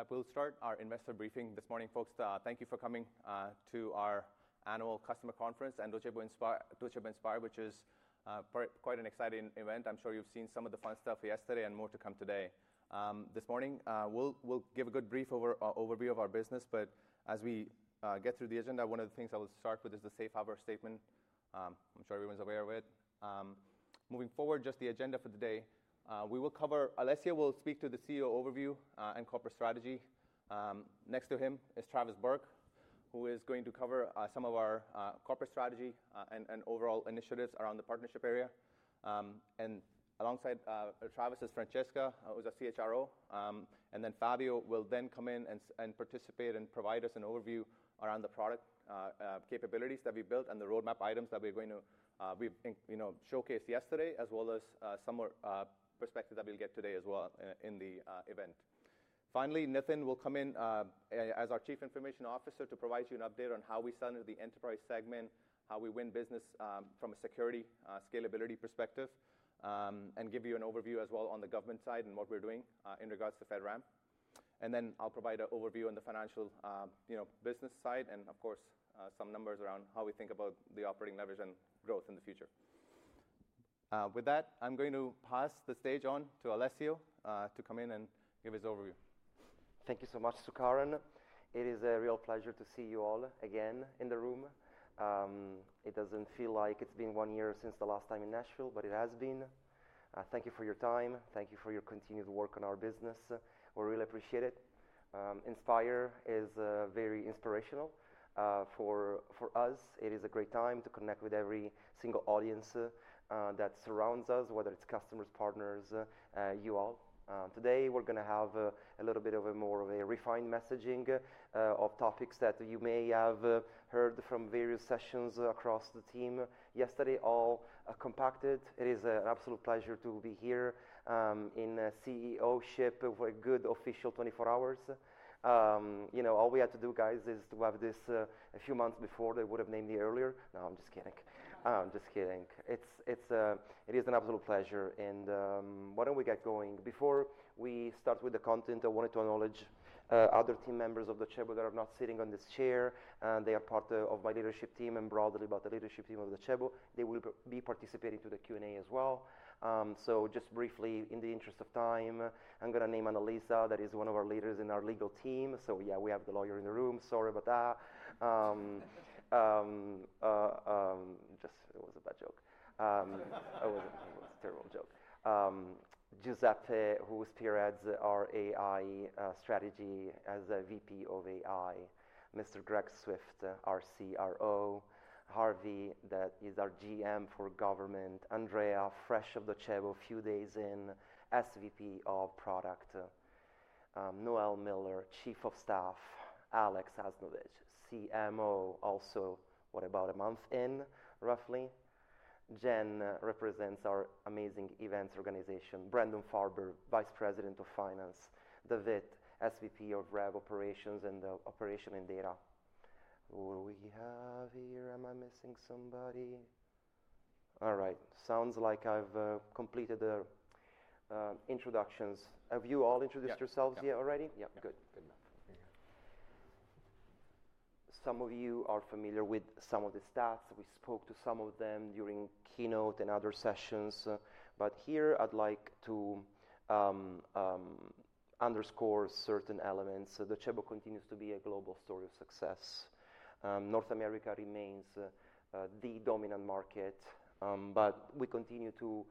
With that, we'll start our investor briefing this morning, folks. Thank you for coming to our annual customer conference and Docebo Inspire, Docebo Inspire, which is quite an exciting event. I'm sure you've seen some of the fun stuff yesterday and more to come today. This morning, we'll know a good brief overview of our business, but as we get through the agenda, one of the things I will start with is the safe harbor statement. I'm sure everyone's aware with. Moving forward, just the agenda for today, we will cover. Alessio will speak to the CEO overview and corporate strategy. Next to him is Travis Burke, who is going to cover some of our corporate strategy and overall initiatives around the partnership area. And alongside Travis is Francesca, who is our CHRO. And then Fabio will then come in and participate and provide us an overview around the product capabilities that we built and the roadmap items that we're going to you know showcased yesterday, as well as some more perspective that we'll get today as well in the event. Finally, Nitin will come in as our Chief Information Officer to provide you an update on how we sell into the enterprise segment, how we win business from a security scalability perspective, and give you an overview as well on the government side and what we're doing in regards to FedRAMP. And then I'll provide an overview on the financial, you know, business side and of course, some numbers around how we think about the operating leverage and growth in the future. With that, I'm going to pass the stage on to Alessio, to come in and give his overview. Thank you so much, Sukaran. It is a real pleasure to see you all again in the room. It doesn't feel like it's been one year since the last time in Nashville, but it has been. Thank you for your time. Thank you for your continued work on our business. We really appreciate it. Inspire is very inspirational. For us, it is a great time to connect with every single audience that surrounds us, whether it's customers, partners, you all. Today, we're gonna have a little bit more of a refined messaging of topics that you may have heard from various sessions across the team yesterday, all compacted. It is an absolute pleasure to be here in CEO-ship for a good official 24 hours. You know, all we had to do, guys, is to have this a few months before, they would have named me earlier. No, I'm just kidding. I'm just kidding. It is an absolute pleasure, and why don't we get going? Before we start with the content, I wanted to acknowledge other team members of Docebo that are not sitting on this chair, and they are part of my leadership team and broadly about the leadership team of Docebo. They will be participating to the Q&A as well. So just briefly, in the interest of time, I'm gonna name Analisa, that is one of our leaders in our legal team. So yeah, we have the lawyer in the room. Sorry about that. Just it was a bad joke. It was, it was a terrible joke. Giuseppe, who spearheads our AI strategy as a VP of AI. Mr. Greg Swift, our CRO. Harvey, that is our GM for government. Andrea, fresh to Docebo, a few days in, SVP of Product. Noelle Miller, Chief of Staff. Alex Asnovich, CMO, also about a month in, roughly. Jen represents our amazing events organization. Brandon Farber, Vice President of Finance. David, SVP of Rev Operations and Data. Who do we have here? Am I missing somebody? All right. Sounds like I've completed the introductions. Have you all introduced yourselves here already? Yep. Yeah, good. Good. Some of you are familiar with some of the staff. We spoke to some of them during keynote and other sessions, but here I'd like to underscore certain elements. So Docebo continues to be a global story of success. North America remains the dominant market, but we continue to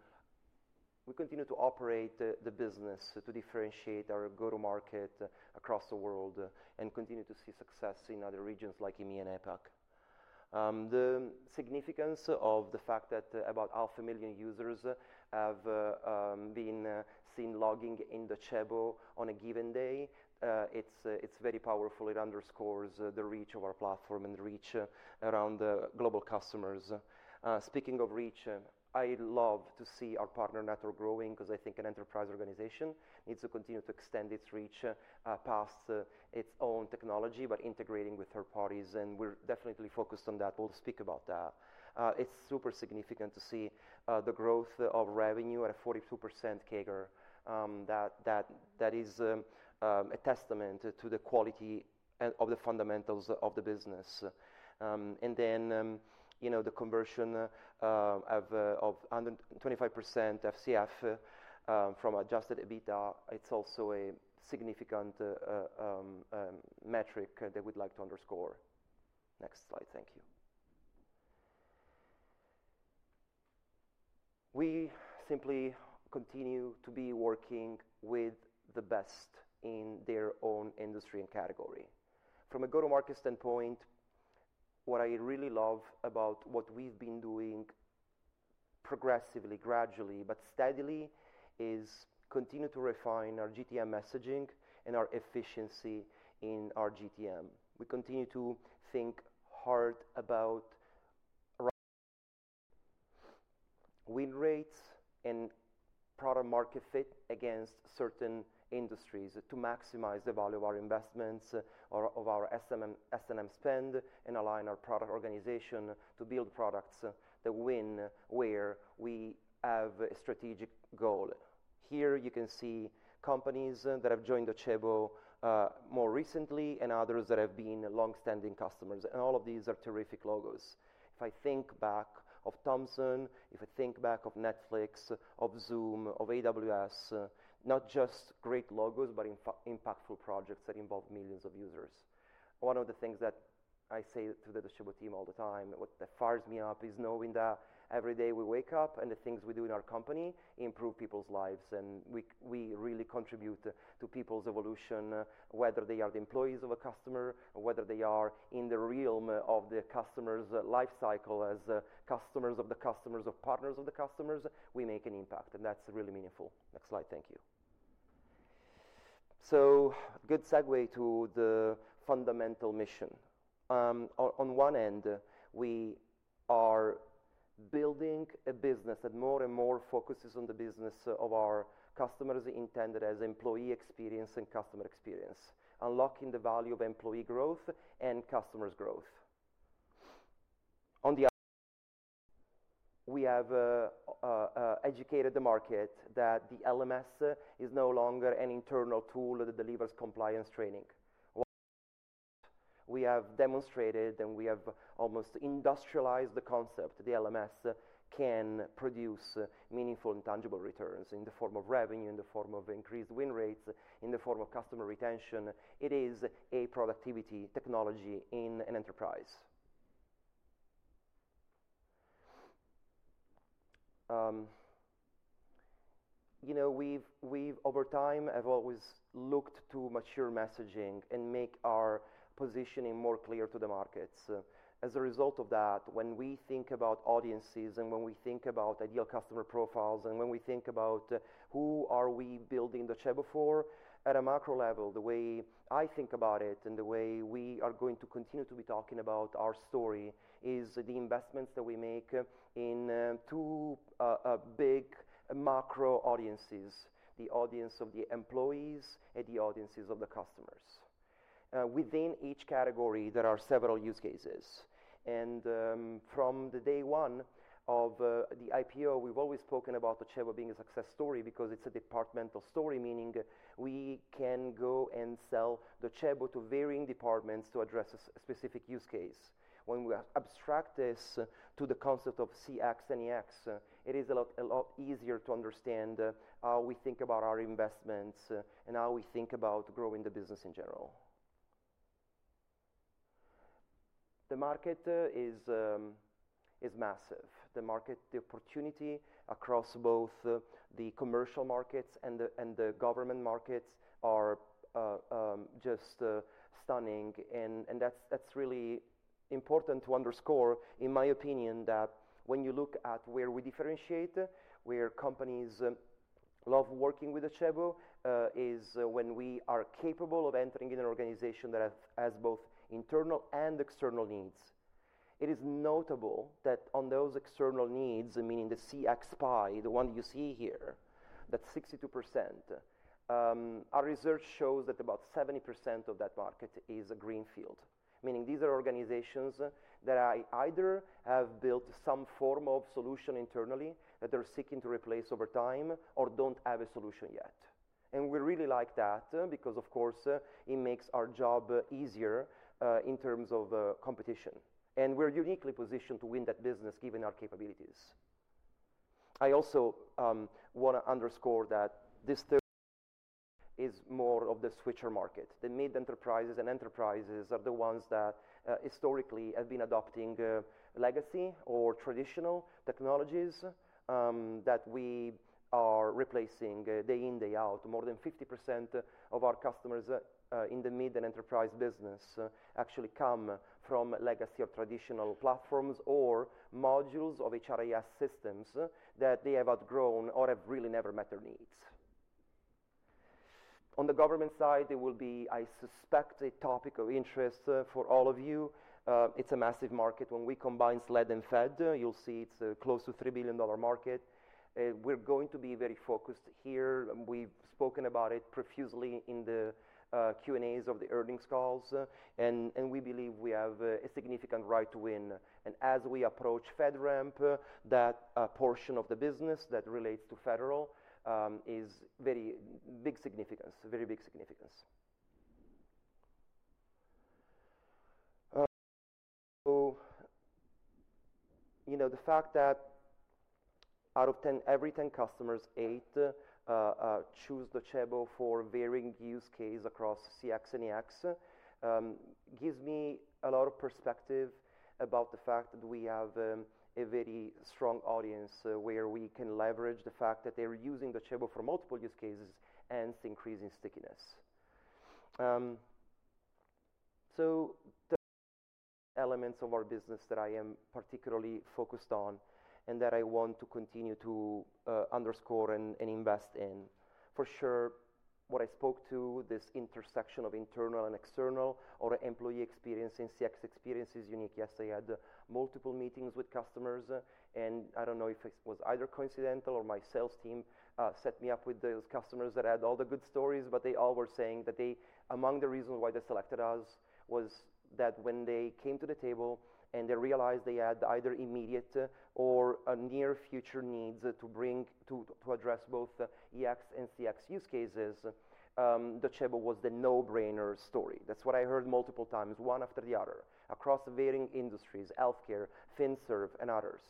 operate the business to differentiate our go-to-market across the world and continue to see success in other regions like EMEA and APAC. The significance of the fact that about 500,000 users have been seen logging in Docebo on a given day, it's very powerful. It underscores the reach of our platform and the reach around the global customers. Speaking of reach, I love to see our partner network growing because I think an enterprise organization needs to continue to extend its reach past its own technology, but integrating with third parties, and we're definitely focused on that. We'll speak about that. It's super significant to see the growth of revenue at a 42% CAGR. That is a testament to the quality and of the fundamentals of the business. And then, you know, the conversion of 125% FCF from adjusted EBITDA, it's also a significant metric that we'd like to underscore. Next slide, thank you. We simply continue to be working with the best in their own industry and category. From a go-to-market standpoint, what I really love about what we've been doing progressively, gradually, but steadily, is continue to refine our GTM messaging and our efficiency in our GTM. We continue to think hard about win rates and product market fit against certain industries to maximize the value of our investments or of our S&M, S&M spend, and align our product organization to build products that win where we have a strategic goal. Here you can see companies that have joined Docebo more recently and others that have been longstanding customers, and all of these are terrific logos. If I think back of Thomson, if I think back of Netflix, of Zoom, of AWS, not just great logos, but impactful projects that involve millions of users. One of the things that I say to the Docebo team all the time, what that fires me up, is knowing that every day we wake up and the things we do in our company improve people's lives, and we really contribute to people's evolution, whether they are the employees of a customer, or whether they are in the realm of the customer's life cycle as customers of the customers, of partners of the customers, we make an impact, and that's really meaningful. Next slide, thank you. Good segue to the fundamental mission. On one end, we are building a business that more and more focuses on the business of our customers, intended as employee experience and customer experience, unlocking the value of employee growth and customers' growth. On the other, we have educated the market that the LMS is no longer an internal tool that delivers compliance training. We have demonstrated, and we have almost industrialized the concept, the LMS can produce meaningful and tangible returns in the form of revenue, in the form of increased win rates, in the form of customer retention. It is a productivity technology in an enterprise. You know, we've over time have always looked to mature messaging and make our positioning more clear to the markets. As a result of that, when we think about audiences and when we think about ideal customer profiles, and when we think about who are we building Docebo for, at a macro level, the way I think about it and the way we are going to continue to be talking about our story is the investments that we make in two big macro audiences: the audience of the employees and the audiences of the customers. Within each category, there are several use cases, and from the day one of the IPO, we've always spoken about Docebo being a success story because it's a departmental story, meaning we can go and sell Docebo to varying departments to address a specific use case. When we abstract this to the concept of CX and EX, it is a lot, a lot easier to understand how we think about our investments and how we think about growing the business in general. The market is massive. The market, the opportunity across both the commercial markets and the government markets are just stunning. And that's really important to underscore, in my opinion, that when you look at where we differentiate, where companies love working with Docebo is when we are capable of entering in an organization that has both internal and external needs. It is notable that on those external needs, meaning the CX pie, the one you see here, that 62%, our research shows that about 70% of that market is a greenfield, meaning these are organizations that either have built some form of solution internally that they're seeking to replace over time or don't have a solution yet. And we really like that because, of course, it makes our job easier, in terms of, competition, and we're uniquely positioned to win that business, given our capabilities. I also wanna underscore that this third is more of the switcher market. The mid-enterprises and enterprises are the ones that, historically have been adopting, legacy or traditional technologies, that we are replacing day in, day out. More than 50% of our customers in the mid and enterprise business actually come from legacy or traditional platforms or modules of HRIS systems that they have outgrown or have really never met their needs. On the government side, it will be, I suspect, a topic of interest for all of you. It's a massive market. When we combine SLED and FED, you'll see it's a close to $3 billion market. We're going to be very focused here. We've spoken about it profusely in the Q&As of the earnings calls and we believe we have a significant right to win. And as we approach FedRAMP, that portion of the business that relates to federal is very big significance, very big significance. So, you know, the fact that out of ten, every ten customers, eight choose Docebo for varying use case across CX and EX gives me a lot of perspective about the fact that we have a very strong audience where we can leverage the fact that they are using Docebo for multiple use cases and increasing stickiness. So elements of our business that I am particularly focused on and that I want to continue to underscore and invest in. For sure what I spoke to, this intersection of internal and external or employee experience and CX experience is unique. Yesterday, I had multiple meetings with customers, and I don't know if it was either coincidental or my sales team set me up with those customers that had all the good stories, but they all were saying that they, among the reasons why they selected us, was that when they came to the table and they realized they had either immediate or a near future needs to bring to address both EX and CX use cases, Docebo was the no-brainer story. That's what I heard multiple times, one after the other, across varying industries, healthcare, financial services, and others.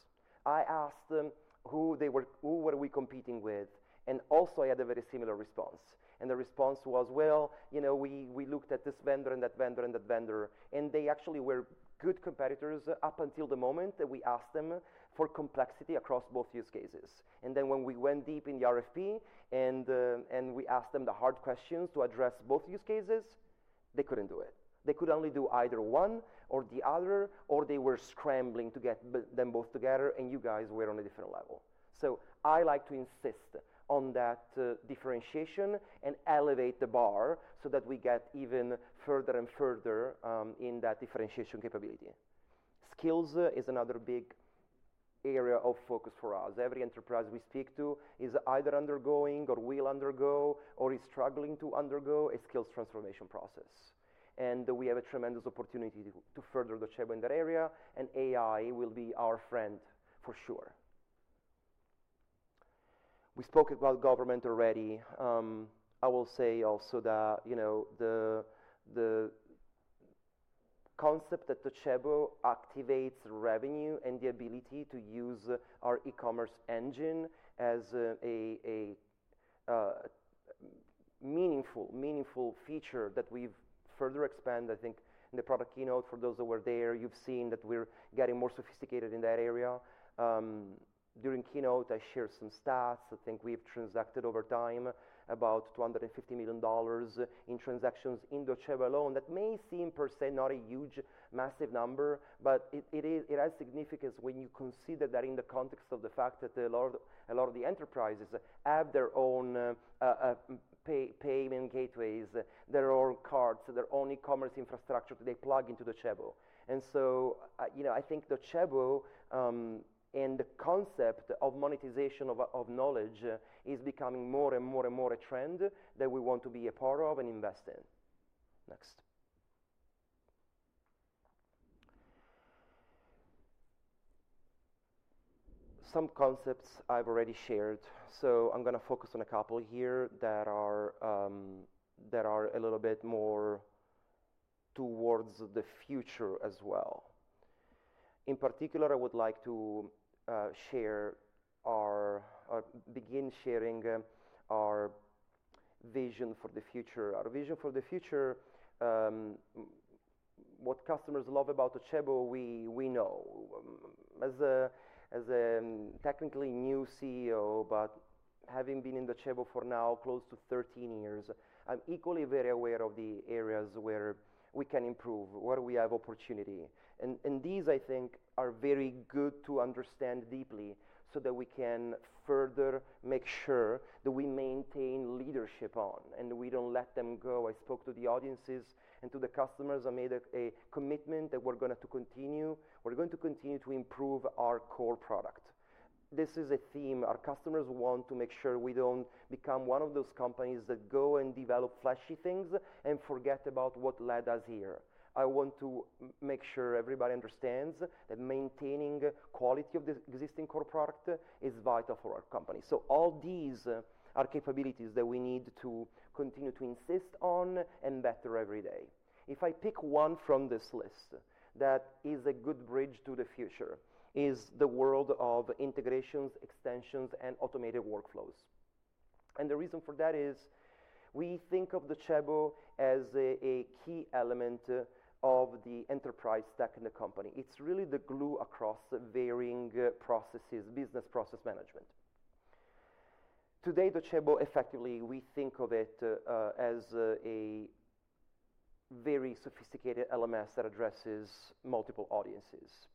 I asked them who we were competing with, and I also had a very similar response. The response was: "Well, you know, we, we looked at this vendor and that vendor and that vendor, and they actually were good competitors up until the moment that we asked them for complexity across both use cases. And then when we went deep in the RFP and we asked them the hard questions to address both use cases, they couldn't do it. They could only do either one or the other, or they were scrambling to get them both together, and you guys were on a different level." So I like to insist on that differentiation and elevate the bar so that we get even further and further in that differentiation capability. Skills is another big area of focus for us. Every enterprise we speak to is either undergoing or will undergo or is struggling to undergo a skills transformation process. And we have a tremendous opportunity to further Docebo in that area, and AI will be our friend for sure. We spoke about government already. I will say also that, you know, the concept that Docebo activates revenue and the ability to use our e-commerce engine as a meaningful feature that we've further expanded, I think in the product keynote, for those that were there, you've seen that we're getting more sophisticated in that area. During keynote, I shared some stats. I think we've transacted over time about $250 million in transactions in Docebo alone. That may seem per se not a huge, massive number, but it is, it has significance when you consider that in the context of the fact that a lot of, a lot of the enterprises have their own payment gateways, their own cards, their own e-commerce infrastructure that they plug into Docebo. And so, you know, I think Docebo and the concept of monetization of knowledge is becoming more and more and more a trend that we want to be a part of and invest in. Next. Some concepts I've already shared, so I'm gonna focus on a couple here that are a little bit more towards the future as well. In particular, I would like to share our or begin sharing our vision for the future. Our vision for the future, what customers love about Docebo, we know. As a technically new CEO, but having been in Docebo for now close to thirteen years, I'm equally very aware of the areas where we can improve, where we have opportunity. These, I think, are very good to understand deeply so that we can further make sure that we maintain leadership on, and we don't let them go. I spoke to the audiences and to the customers. I made a commitment that we're going to continue to improve our core product. This is a theme. Our customers want to make sure we don't become one of those companies that go and develop flashy things and forget about what led us here. I want to make sure everybody understands that maintaining quality of the existing core product is vital for our company. So all these are capabilities that we need to continue to insist on and better every day. If I pick one from this list that is a good bridge to the future, is the world of integrations, extensions, and automated workflows. And the reason for that is we think of Docebo as a key element of the enterprise stack in the company. It's really the glue across varying processes, business process management. Today, Docebo, effectively, we think of it as a very sophisticated LMS that addresses multiple audiences.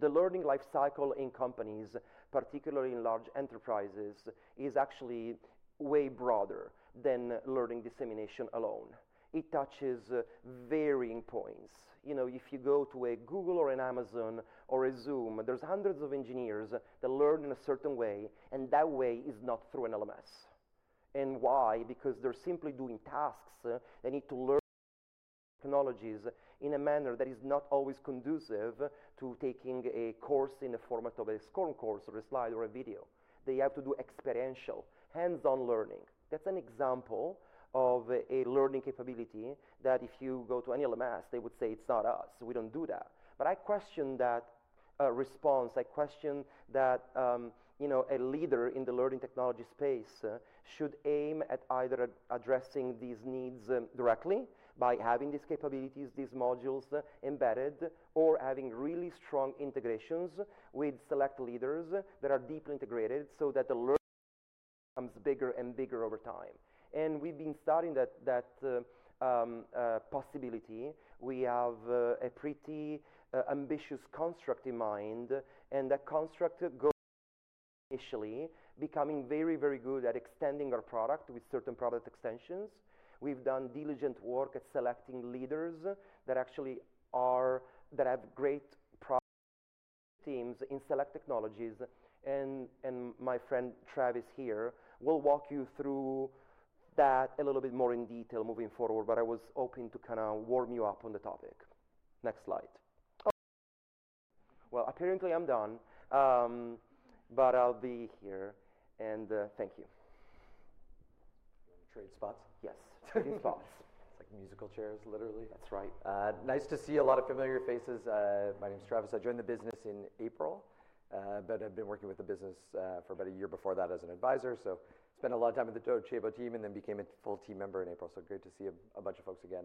The learning life cycle in companies, particularly in large enterprises, is actually way broader than learning dissemination alone. It touches varying points. You know, if you go to a Google or an Amazon or a Zoom, there's hundreds of engineers that learn in a certain way, and that way is not through an LMS. And why? Because they're simply doing tasks. They need to learn technologies in a manner that is not always conducive to taking a course in the format of a SCORM course or a slide or a video. They have to do experiential, hands-on learning. That's an example of a learning capability that if you go to any LMS, they would say, "It's not us. We don't do that." But I question that response. I question that, you know, a leader in the learning technology space should aim at either addressing these needs directly by having these capabilities, these modules embedded, or having really strong integrations with select leaders that are deeply integrated so that the learning becomes bigger and bigger over time, and we've been starting that possibility. We have a pretty ambitious construct in mind, and that construct goes initially, becoming very, very good at extending our product with certain product extensions. We've done diligent work at selecting leaders that actually have great product teams in select technologies, and my friend Travis here will walk you through that a little bit more in detail moving forward, but I was hoping to kinda warm you up on the topic. Next slide. Apparently I'm done, but I'll be here and thank you. Trade spots? Yes, trade spots. It's like musical chairs, literally. That's right. Nice to see a lot of familiar faces. My name is Travis. I joined the business in April, but I've been working with the business for about a year before that as an advisor. Spent a lot of time with the Docebo team and then became a full team member in April. Great to see a bunch of folks again.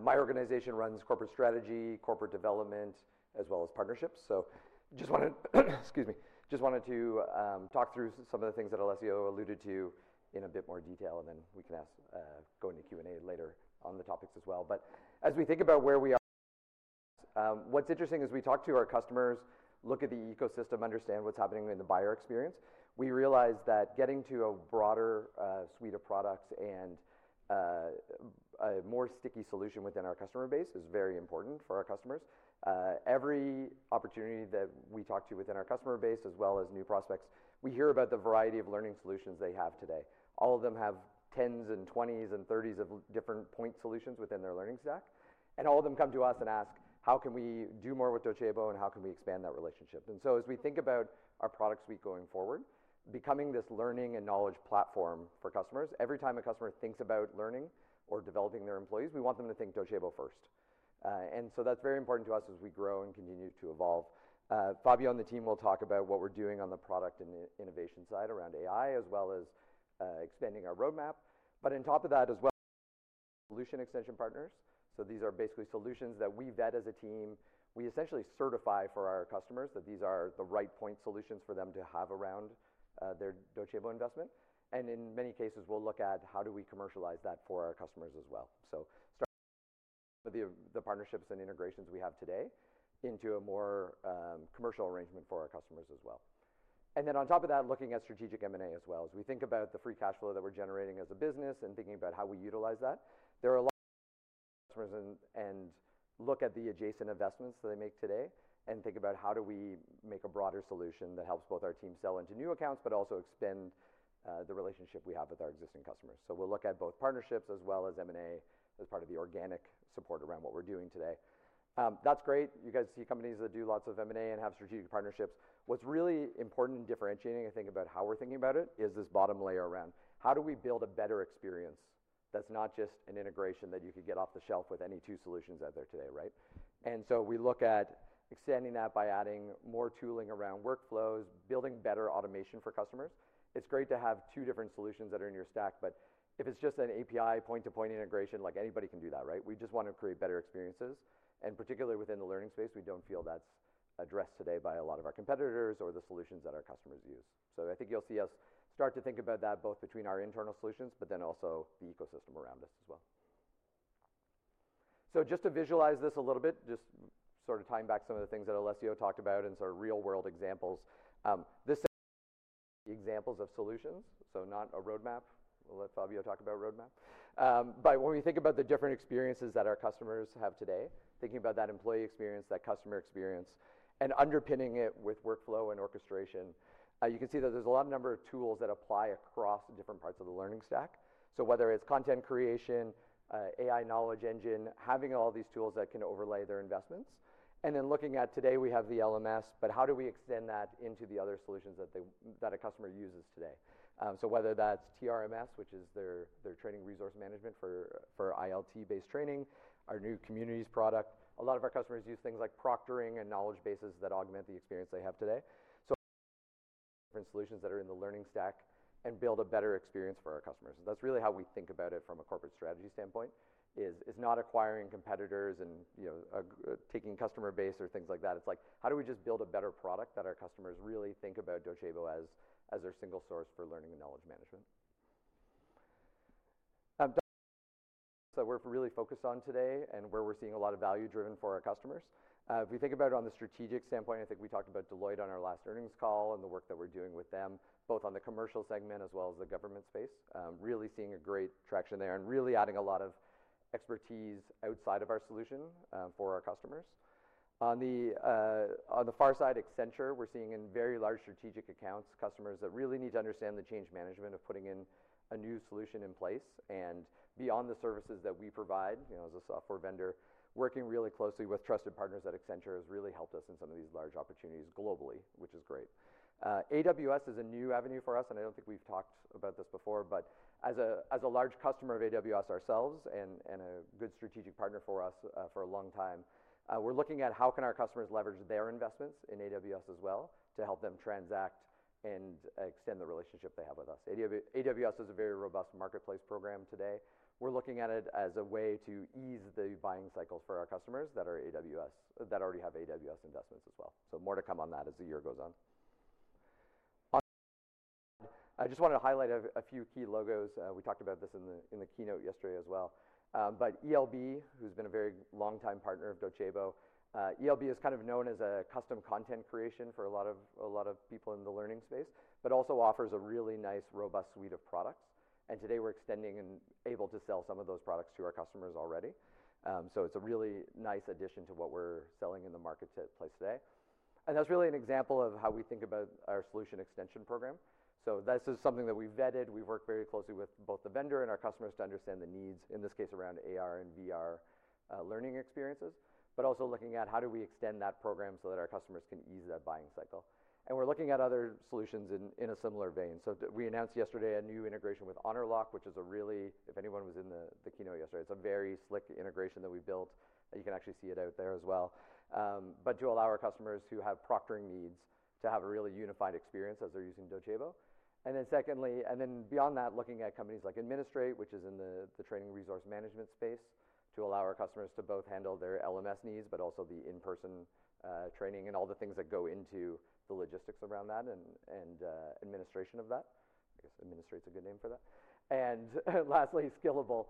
My organization runs corporate strategy, corporate development, as well as partnerships. Just wanted to talk through some of the things that Alessio alluded to in a bit more detail, and then we can go into Q&A later on the topics as well. As we think about where we are, what's interesting is we talk to our customers, look at the ecosystem, understand what's happening in the buyer experience. We realize that getting to a broader, suite of products and, a more sticky solution within our customer base is very important for our customers. Every opportunity that we talk to within our customer base as well as new prospects, we hear about the variety of learning solutions they have today. All of them have tens and twenties and thirties of different point solutions within their learning stack, and all of them come to us and ask: How can we do more with Docebo, and how can we expand that relationship? And so, as we think about our product suite going forward, becoming this learning and knowledge platform for customers, every time a customer thinks about learning or developing their employees, we want them to think Docebo first. And so that's very important to us as we grow and continue to evolve. Fabio and the team will talk about what we're doing on the product and the innovation side around AI, as well as expanding our roadmap, but on top of that, as well, solution extension partners, so these are basically solutions that we vet as a team. We essentially certify for our customers that these are the right point solutions for them to have around their Docebo investment, and in many cases, we'll look at how do we commercialize that for our customers as well, so start the partnerships and integrations we have today into a more commercial arrangement for our customers as well, and then on top of that, looking at strategic M&A as well. As we think about the free cash flow that we're generating as a business and thinking about how we utilize that, there are a lot and, and look at the adjacent investments that they make today, and think about how do we make a broader solution that helps both our team sell into new accounts, but also expand, the relationship we have with our existing customers. So we'll look at both partnerships as well as M&A, as part of the organic support around what we're doing today. That's great. You guys see companies that do lots of M&A and have strategic partnerships. What's really important and differentiating, I think, about how we're thinking about it, is this bottom layer around how do we build a better experience that's not just an integration that you could get off the shelf with any two solutions out there today, right? And so we look at extending that by adding more tooling around workflows, building better automation for customers. It's great to have two different solutions that are in your stack, but if it's just an API point-to-point integration, like, anybody can do that, right? We just want to create better experiences, and particularly within the learning space, we don't feel that's addressed today by a lot of our competitors or the solutions that our customers use. So I think you'll see us start to think about that, both between our internal solutions, but then also the ecosystem around us as well. So just to visualize this a little bit, just sort of tying back some of the things that Alessio talked about and sort of real-world examples. This examples of solutions, so not a roadmap. We'll let Fabio talk about roadmap. But when we think about the different experiences that our customers have today, thinking about that employee experience, that customer experience, and underpinning it with workflow and orchestration, you can see that there's a lot of number of tools that apply across different parts of the learning stack. So whether it's content creation, AI Knowledge Engine, having all these tools that can overlay their investments, and then looking at today, we have the LMS, but how do we extend that into the other solutions that they... that a customer uses today, so whether that's TRMS, which is their training resource management for ILT-based training, our new communities product. A lot of our customers use things like proctoring and knowledge bases that augment the experience they have today, so different solutions that are in the learning stack and build a better experience for our customers. That's really how we think about it from a corporate strategy standpoint is not acquiring competitors and, you know, taking customer base or things like that. It's like, how do we just build a better product that our customers really think about Docebo as their single source for learning and knowledge management? So we're really focused on today and where we're seeing a lot of value driven for our customers. If you think about it on the strategic standpoint, I think we talked about Deloitte on our last earnings call and the work that we're doing with them, both on the commercial segment as well as the government space. Really seeing a great traction there and really adding a lot of expertise outside of our solution, for our customers. On the, on the far side, Accenture, we're seeing in very large strategic accounts, customers that really need to understand the change management of putting in a new solution in place. And beyond the services that we provide, you know, as a software vendor, working really closely with trusted partners at Accenture has really helped us in some of these large opportunities globally, which is great. AWS is a new avenue for us, and I don't think we've talked about this before, but as a large customer of AWS ourselves and a good strategic partner for us for a long time, we're looking at how can our customers leverage their investments in AWS as well, to help them transact and extend the relationship they have with us. AWS is a very robust marketplace program today. We're looking at it as a way to ease the buying cycles for our customers that are AWS, that already have AWS investments as well, so more to come on that as the year goes on. I just want to highlight a few key logos. We talked about this in the keynote yesterday as well, but ELB, who's been a very long-time partner of Docebo, ELB is kind of known as a custom content creation for a lot of people in the learning space, but also offers a really nice, robust suite of products, and today we're extending and able to sell some of those products to our customers already, so it's a really nice addition to what we're selling in the marketplace today, and that's really an example of how we think about our solution extension program. So this is something that we've vetted. We've worked very closely with both the vendor and our customers to understand the needs, in this case, around AR and VR learning experiences, but also looking at how do we extend that program so that our customers can ease that buying cycle. And we're looking at other solutions in a similar vein. So we announced yesterday a new integration with Honorlock, which is really. If anyone was in the keynote yesterday, it's a very slick integration that we built, and you can actually see it out there as well. But to allow our customers who have proctoring needs to have a really unified experience as they're using Docebo. And then secondly, and then beyond that, looking at companies like Administrate, which is in the training resource management space, to allow our customers to both handle their LMS needs, but also the in-person training and all the things that go into the logistics around that and administration of that. I guess Administrate's a good name for that. And lastly, Skillable,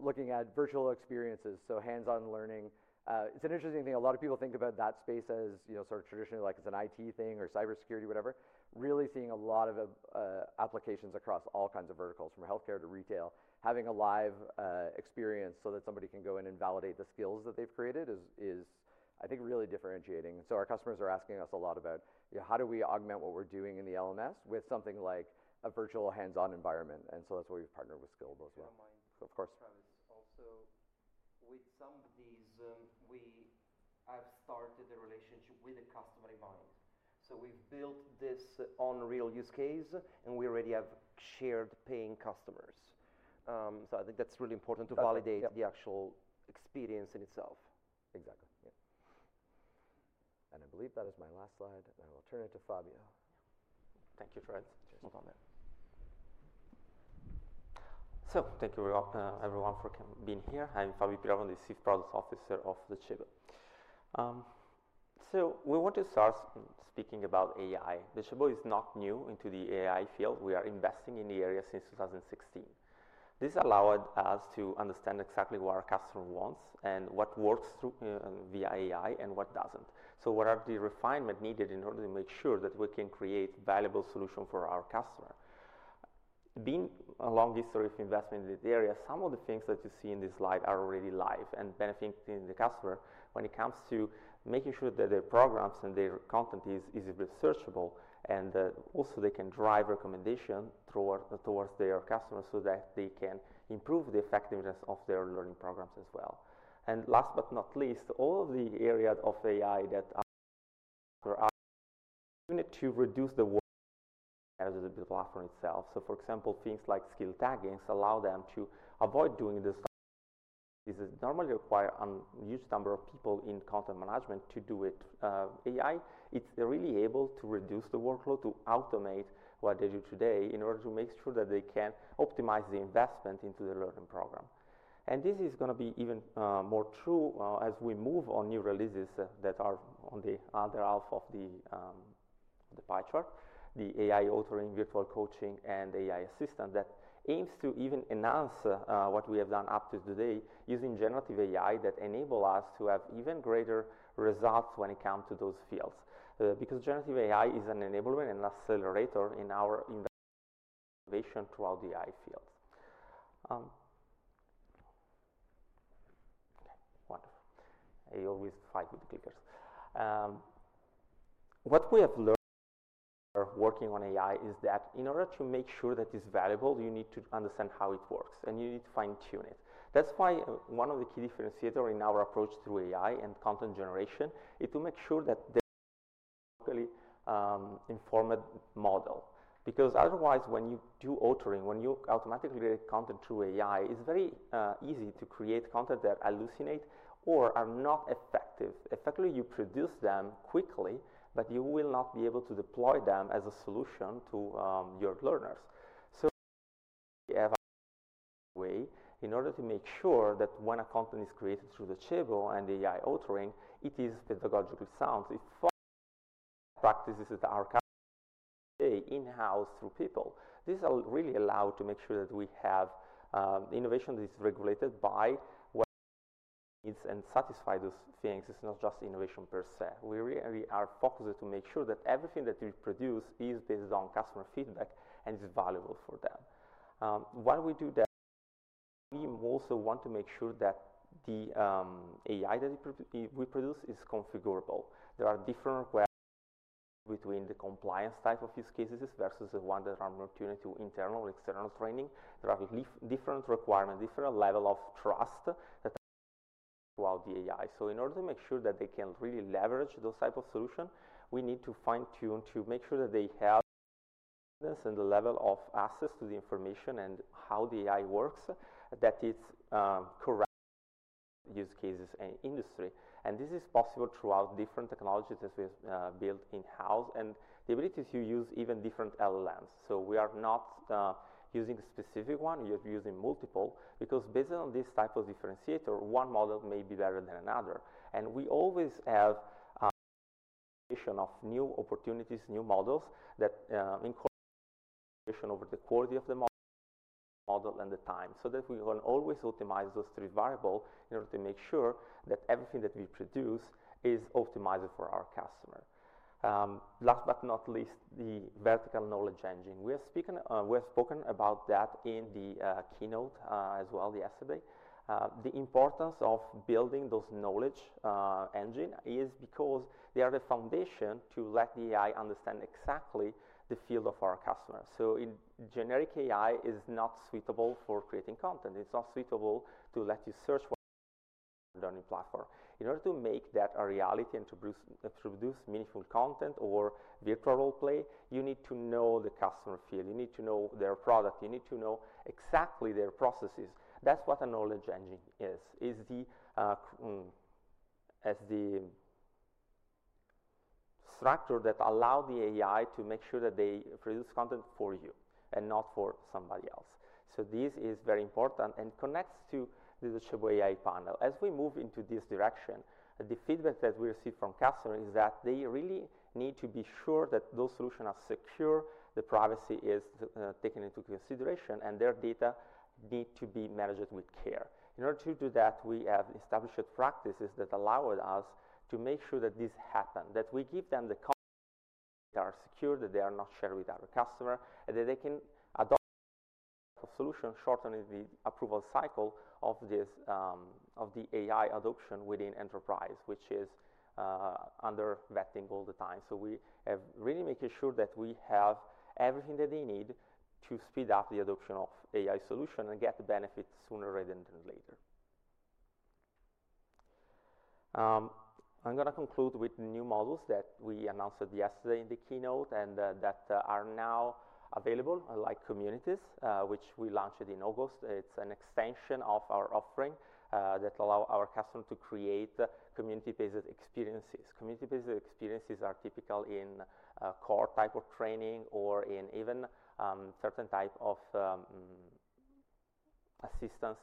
looking at virtual experiences, so hands-on learning. It's an interesting thing. A lot of people think about that space as you know, sort of traditionally like it's an IT thing or cybersecurity, whatever. Really seeing a lot of applications across all kinds of verticals, from healthcare to retail. Having a live experience so that somebody can go in and validate the skills that they've created is, I think, really differentiating. Our customers are asking us a lot about, "Yeah, how do we augment what we're doing in the LMS with something like a virtual hands-on environment?" And so that's why we've partnered with Skillable as well. If I might- Of course. Travis. Also, with some of these, we have started a relationship with a customer in mind. So we've built this on real use case, and we already have shared paying customers. So I think that's really important to validate- That's it. Yep... the actual experience in itself. Exactly. Yeah. And I believe that is my last slide, and I will turn it to Fabio. Thank you, friends. No problem. Thank you, everyone, for coming here. I'm Fabio Pirovano, the Chief Product Officer of Docebo. We want to start speaking about AI. Docebo is not new into the AI field. We are investing in the area since two thousand and sixteen. This allowed us to understand exactly what our customer wants and what works through via AI and what doesn't. What are the refinement needed in order to make sure that we can create valuable solution for our customer? Being a long history of investment in the area, some of the things that you see in this slide are already live and benefiting the customer when it comes to making sure that their programs and their content is researchable, and also they can drive recommendation towards their customers so that they can improve the effectiveness of their learning programs as well. And last but not least, all of the areas of AI that are to reduce the work as a platform itself. So for example, things like skill taggings allow them to avoid doing this. This is normally require an huge number of people in content management to do it. AI, it's really able to reduce the workload, to automate what they do today in order to make sure that they can optimize the investment into their learning program. And this is gonna be even more true as we move on new releases that are on the other half of the pie chart, the AI authoring, virtual coaching, and AI assistant, that aims to even enhance what we have done up to today using generative AI that enable us to have even greater results when it come to those fields. Because generative AI is an enabler and accelerator in our innovation throughout the AI fields. Okay, wonderful. I always fight with the clickers. What we have learned working on AI is that in order to make sure that it's valuable, you need to understand how it works, and you need to fine-tune it. That's why one of the key differentiator in our approach to AI and content generation is to make sure that the AI-informed model, because otherwise, when you do authoring, when you automatically create content through AI, it's very, easy to create content that hallucinate or are not effective. Effectively, you produce them quickly, but you will not be able to deploy them as a solution to, your learners. So we have a way, in order to make sure that when a content is created through the Docebo and the AI authoring, it is pedagogically sound. It follows practices that are currently in-house through people. This will really allow to make sure that we have, innovation that is regulated by what it needs and satisfy those things. It's not just innovation per se. We really are focused to make sure that everything that we produce is based on customer feedback and is valuable for them. While we do that, we also want to make sure that the AI that we produce is configurable. There are different ways between the compliance type of use cases versus the one that are more tuned to internal or external training. There are different requirement, different level of trust that throughout the AI. So in order to make sure that they can really leverage those type of solution, we need to fine-tune to make sure that they have this and the level of access to the information and how the AI works, that it's correct use cases and industry. And this is possible throughout different technologies that we've built in-house, and the ability to use even different LLMs. So we are not using specific one, we are using multiple, because based on this type of differentiator, one model may be better than another. And we always have of new opportunities, new models, that incorporate over the quality of the model and the time, so that we will always optimize those three variable in order to make sure that everything that we produce is optimized for our customer. Last but not least, the vertical Knowledge Engine. We are speaking, we have spoken about that in the keynote as well yesterday. The importance of building those Knowledge Engine is because they are the foundation to let the AI understand exactly the field of our customers. So in generic AI is not suitable for creating content. It's not suitable to let you search for learning platform. In order to make that a reality and to produce meaningful content or virtual role play, you need to know the customer field. You need to know their product. You need to know exactly their processes. That's what a Knowledge Engine is, the structure that allow the AI to make sure that they produce content for you and not for somebody else, so this is very important and connects to the Shape AI panel. As we move into this direction, the feedback that we receive from customer is that they really need to be sure that those solutions are secure, the privacy is taken into consideration, and their data need to be managed with care. In order to do that, we have established practices that allow us to make sure that this happens, that we give them that they are secure, that they are not shared with other customers, and that they can adopt solutions, shortening the approval cycle of this, of the AI adoption within enterprise, which is under vetting all the time. So we have really making sure that we have everything that they need to speed up the adoption of AI solutions and get the benefits sooner rather than later. I'm gonna conclude with new modules that we announced yesterday in the keynote and that are now available, like Communities, which we launched in August. It's an extension of our offering that allows our customers to create community-based experiences. Community-based experiences are typical in core type of training or in even certain type of assistance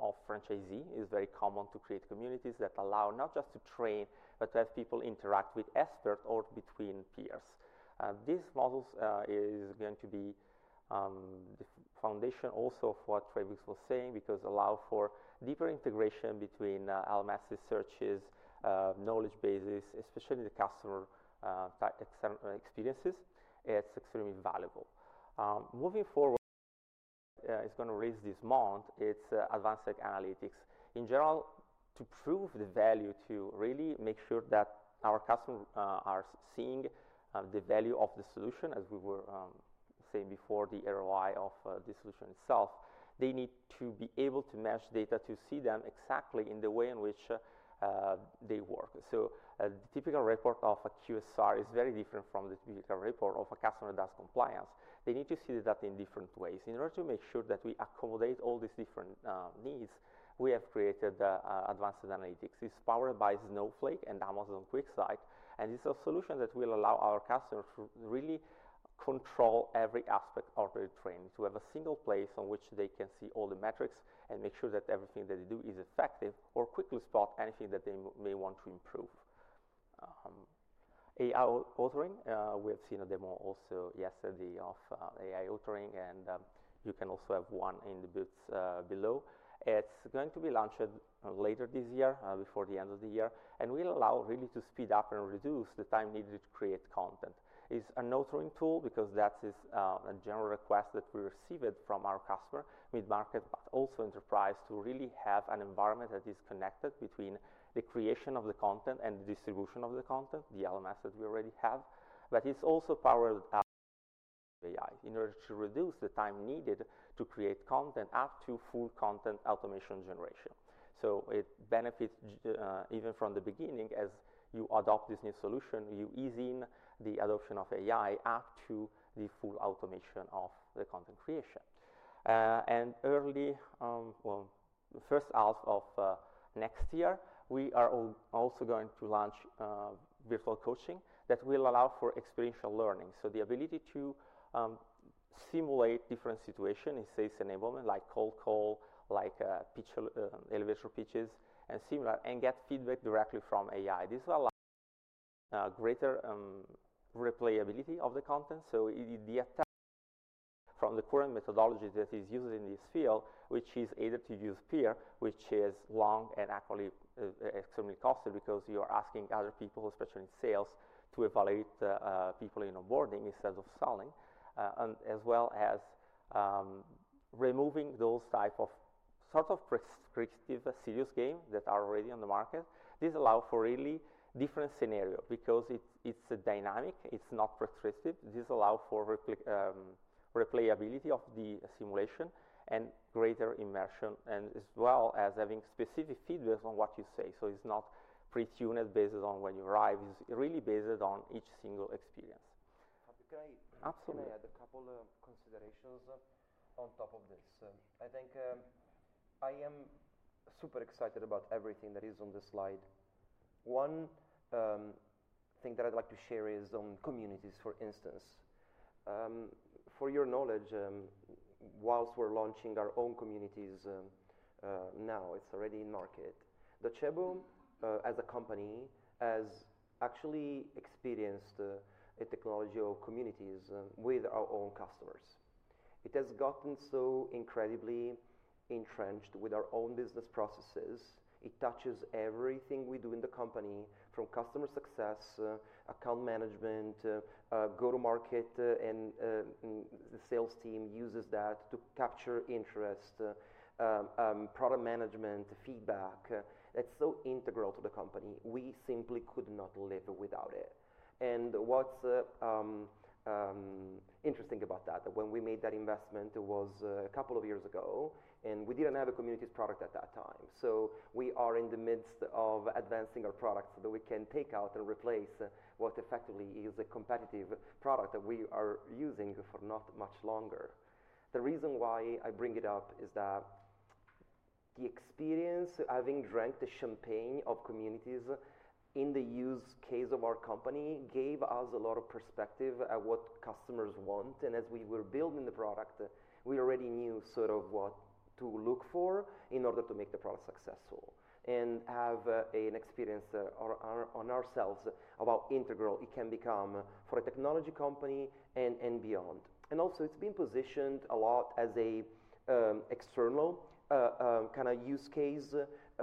of franchisee. It's very common to create communities that allow not just to train, but to have people interact with expert or between peers. These models is going to be the foundation also for what Travis was saying, because allow for deeper integration between LMS's, searches, knowledge bases, especially the customer type CX experiences. It's extremely valuable. Moving forward, is gonna release this month, it's advanced analytics. In general, to prove the value, to really make sure that our customer are seeing the value of the solution, as we were saying before, the ROI of the solution itself, they need to be able to match data to see them exactly in the way in which they work. So, the typical report of a QSR is very different from the typical report of a customer that's compliance. They need to see that in different ways. In order to make sure that we accommodate all these different needs, we have created advanced analytics. It's powered by Snowflake and Amazon QuickSight, and it's a solution that will allow our customers to really control every aspect of the training, to have a single place on which they can see all the metrics and make sure that everything that they do is effective or quickly spot anything that they may want to improve. AI authoring, we have seen a demo also yesterday of, AI authoring, and, you can also have one in the booths, below. It's going to be launched, later this year, before the end of the year, and will allow really to speed up and reduce the time needed to create content. It's an authoring tool because that is, a general request that we received from our customer, mid-market, but also enterprise, to really have an environment that is connected between the creation of the content and the distribution of the content, the LMS that we already have. But it's also powered by AI in order to reduce the time needed to create content up to full content automation generation. So it benefits, even from the beginning. As you adopt this new solution, you ease in the adoption of AI up to the full automation of the content creation. And early, well, first half of next year, we are also going to launch virtual coaching that will allow for experiential learning. So the ability to simulate different situation in sales enablement, like cold call, like pitch, elevator pitches and similar, and get feedback directly from AI. This allow greater replayability of the content. The attack from the current methodology that is used in this field, which is either to use peer, which is long and actually extremely costly because you are asking other people, especially in sales, to evaluate people in onboarding instead of selling, and as well as removing those type of sort of prescriptive serious game that are already on the market. This allow for really different scenario because it's a dynamic, it's not prescriptive. This allow for replayability of the simulation and greater immersion, and as well as having specific feedback on what you say. It's not pre-tuned based on when you arrive. It's really based on each single experience. Can I- Absolutely. Can I add a couple of considerations on top of this? I think I am super excited about everything that is on this slide. One thing that I'd like to share is on communities, for instance. For your knowledge, while we're launching our own communities, now it's already in market. That Docebo, as a company, has actually experienced a technology of communities with our own customers. It has gotten so incredibly entrenched with our own business processes. It touches everything we do in the company, from customer success, account management, go-to-market, and the sales team uses that to capture interest, product management, feedback. It's so integral to the company. We simply could not live without it. What's interesting about that, when we made that investment, it was a couple of years ago, and we didn't have a communities product at that time. We are in the midst of advancing our product so that we can take out and replace what effectively is a competitive product that we are using for not much longer. The reason why I bring it up is that the experience, having drank the champagne of communities in the use case of our company, gave us a lot of perspective at what customers want. As we were building the product, we already knew sort of what to look for in order to make the product successful and have an experience on ourselves about integral it can become for a technology company and beyond. Also, it's been positioned a lot as a external kinda use case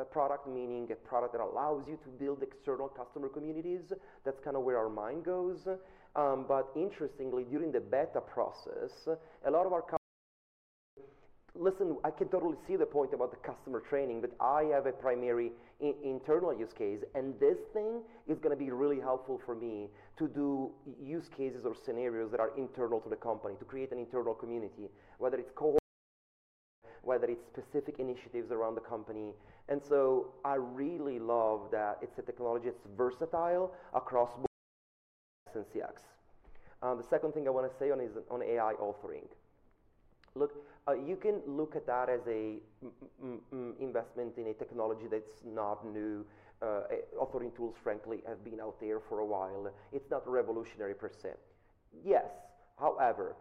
product, meaning a product that allows you to build external customer communities. That's kinda where our mind goes. But interestingly, during the beta process, a lot of our "Listen, I can totally see the point about the customer training, but I have a primary internal use case, and this thing is gonna be really helpful for me to do use cases or scenarios that are internal to the company, to create an internal community, whether it's specific initiatives around the company." And so I really love that it's a technology that's versatile across the board and CX. The second thing I wanna say on is, on AI authoring. Look, you can look at that as an investment in a technology that's not new. Authoring tools, frankly, have been out there for a while. It's not revolutionary per se. Yes. However,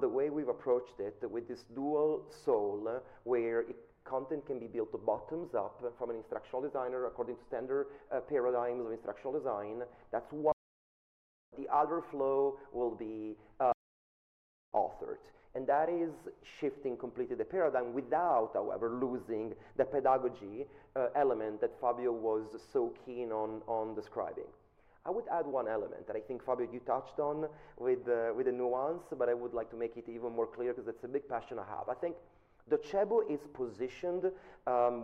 the way we've approached it with this dual soul, where content can be built bottoms up from an instructional designer according to standard paradigms of instructional design, that's one. The other flow will be authored, and that is shifting completely the paradigm without, however, losing the pedagogy element that Fabio was so keen on describing. I would add one element that I think, Fabio, you touched on with the nuance, but I would like to make it even more clear 'cause it's a big passion I have. I think Docebo is positioned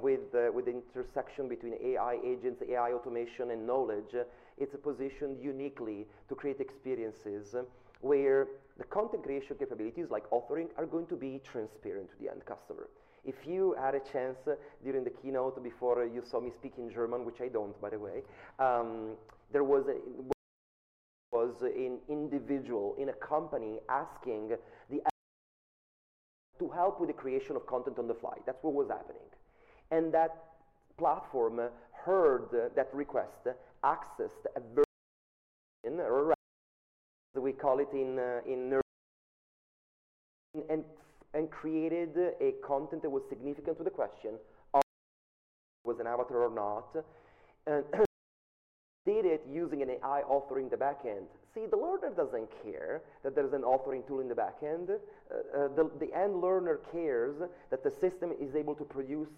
with the intersection between AI agents, AI automation, and knowledge. It's positioned uniquely to create experiences where the content creation capabilities, like authoring, are going to be transparent to the end customer. If you had a chance during the keynote before you saw me speak in German, which I don't, by the way, there was an individual in a company asking it to help with the creation of content on the fly. That's what was happening. That platform heard that request, accessed a version or we call it in and created content that was significant to the question of whether an avatar or not, and did it using an AI authoring in the back end. See, the learner doesn't care that there's an authoring tool in the back end. The end learner cares that the system is able to produce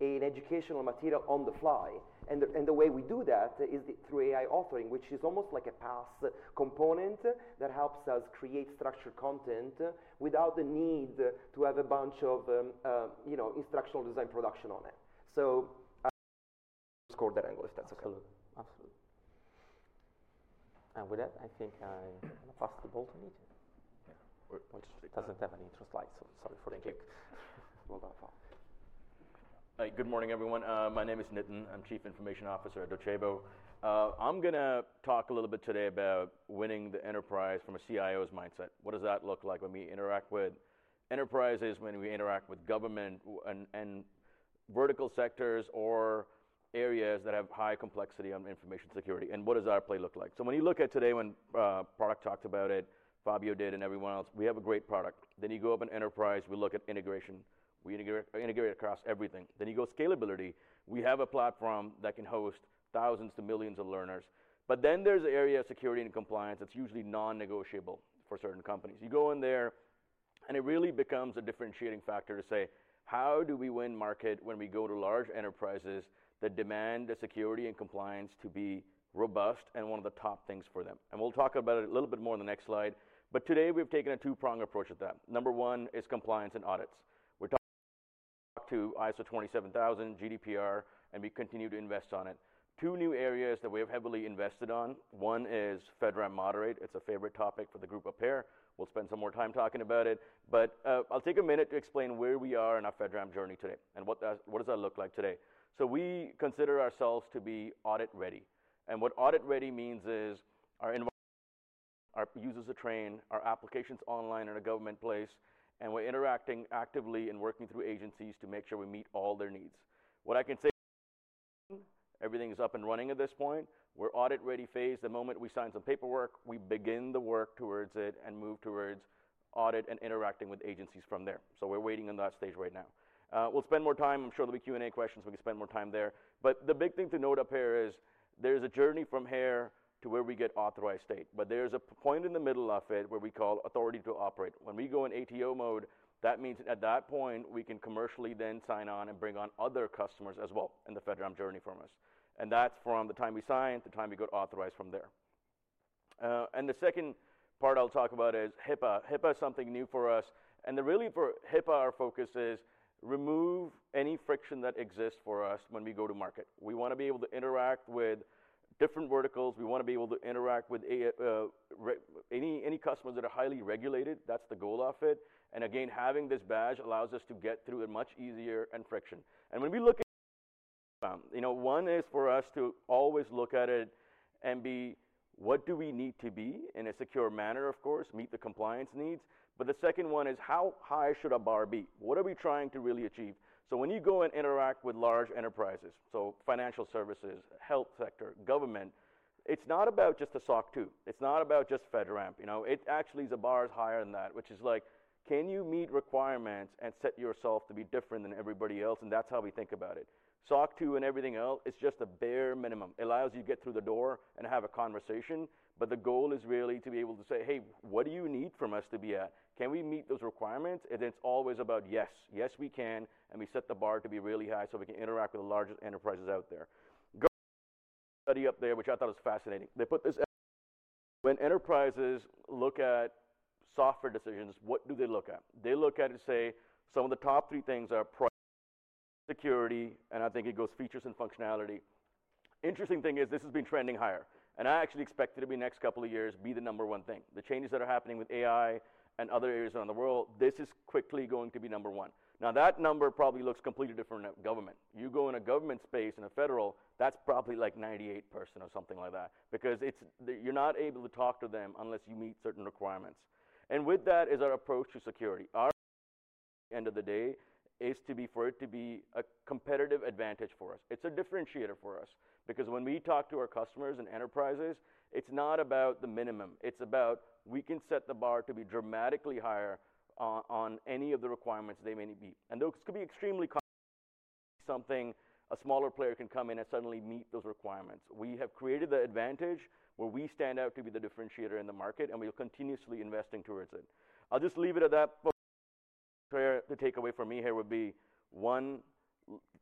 educational material on the fly. The way we do that is through AI authoring, which is almost like a PaaS component that helps us create structured content without the need to have a bunch of, you know, instructional design production on it. So score that angle, if that's okay. Absolutely. Absolutely. And with that, I think I pass the ball to Nitin. Yeah. Which doesn't have any intro slide, so sorry for the take. We'll go far. Good morning, everyone. My name is Nitin. I'm Chief Information Officer at Docebo. I'm gonna talk a little bit today about winning the enterprise from a CIO's mindset. What does that look like when we interact with enterprises, when we interact with government, and vertical sectors or areas that have high complexity on information security? And what does our play look like? So when you look at today, when Product talked about it, Fabio did, and everyone else, we have a great product. Then you go up in enterprise, we look at integration. We integrate, integrate across everything. Then you go scalability. We have a platform that can host thousands to millions of learners. But then there's an area of security and compliance that's usually non-negotiable for certain companies. You go in there, and it really becomes a differentiating factor to say: How do we win market when we go to large enterprises that demand the security and compliance to be robust and one of the top things for them? And we'll talk about it a little bit more in the next slide, but today, we've taken a two-prong approach at that. Number one is compliance and audits. We're talking to ISO 27001, GDPR, and we continue to invest on it. Two new areas that we have heavily invested on, one is FedRAMP Moderate. It's a favorite topic for the group up here. We'll spend some more time talking about it, but I'll take a minute to explain where we are in our FedRAMP journey today and what does that look like today. We consider ourselves to be audit-ready, and what audit-ready means is our users are trained, our application's online in a government place, and we're interacting actively and working through agencies to make sure we meet all their needs. Everything is up and running at this point. We're audit-ready phase. The moment we sign some paperwork, we begin the work towards it and move towards audit and interacting with agencies from there. We're waiting on that stage right now. We'll spend more time. I'm sure there'll be Q&A questions, we can spend more time there. But the big thing to note up here is there's a journey from here to where we get authorized state, but there's a point in the middle of it, where we call Authority to Operate. When we go in ATO mode, that means at that point, we can commercially then sign on and bring on other customers as well in the FedRAMP journey from us, and that's from the time we sign, the time we get authorized from there, and the second part I'll talk about is HIPAA. HIPAA is something new for us, and really for HIPAA, our focus is remove any friction that exists for us when we go to market. We wanna be able to interact with different verticals. We wanna be able to interact with any customers that are highly regulated. That's the goal of it, and again, having this badge allows us to get through it much easier and friction. And when we look at, you know, one is for us to always look at it and be, what do we need to be in a secure manner, of course, meet the compliance needs, but the second one is, how high should a bar be? What are we trying to really achieve? So when you go and interact with large enterprises, so financial services, health sector, government, it's not about just the SOC 2, it's not about just FedRAMP. You know, it actually, the bar is higher than that, which is like, can you meet requirements and set yourself to be different than everybody else? And that's how we think about it. SOC 2 and everything else, it's just a bare minimum. It allows you to get through the door and have a conversation, but the goal is really to be able to say, "Hey, what do you need from us to be a... Can we meet those requirements?" and it's always about, yes. Yes, we can, and we set the bar to be really high, so we can interact with the largest enterprises out there. Go study up there, which I thought was fascinating. They put this. When enterprises look at software decisions, what do they look at? They look at it and say, some of the top three things are price, security, and I think it goes features and functionality. Interesting thing is this has been trending higher, and I actually expect it to be next couple of years, be the number one thing. The changes that are happening with AI and other areas around the world, this is quickly going to be number one. Now, that number probably looks completely different than government. You go in a government space, in a federal, that's probably like 98% or something like that, because it's you're not able to talk to them unless you meet certain requirements. And with that is our approach to security. Our end of the day is to be, for it to be a competitive advantage for us. It's a differentiator for us, because when we talk to our customers and enterprises, it's not about the minimum, it's about we can set the bar to be dramatically higher on any of the requirements they may need meet. And those could be extremely complex something a smaller player can come in and suddenly meet those requirements. We have created the advantage where we stand out to be the differentiator in the market, and we are continuously investing towards it. I'll just leave it at that. The takeaway for me here would be, one,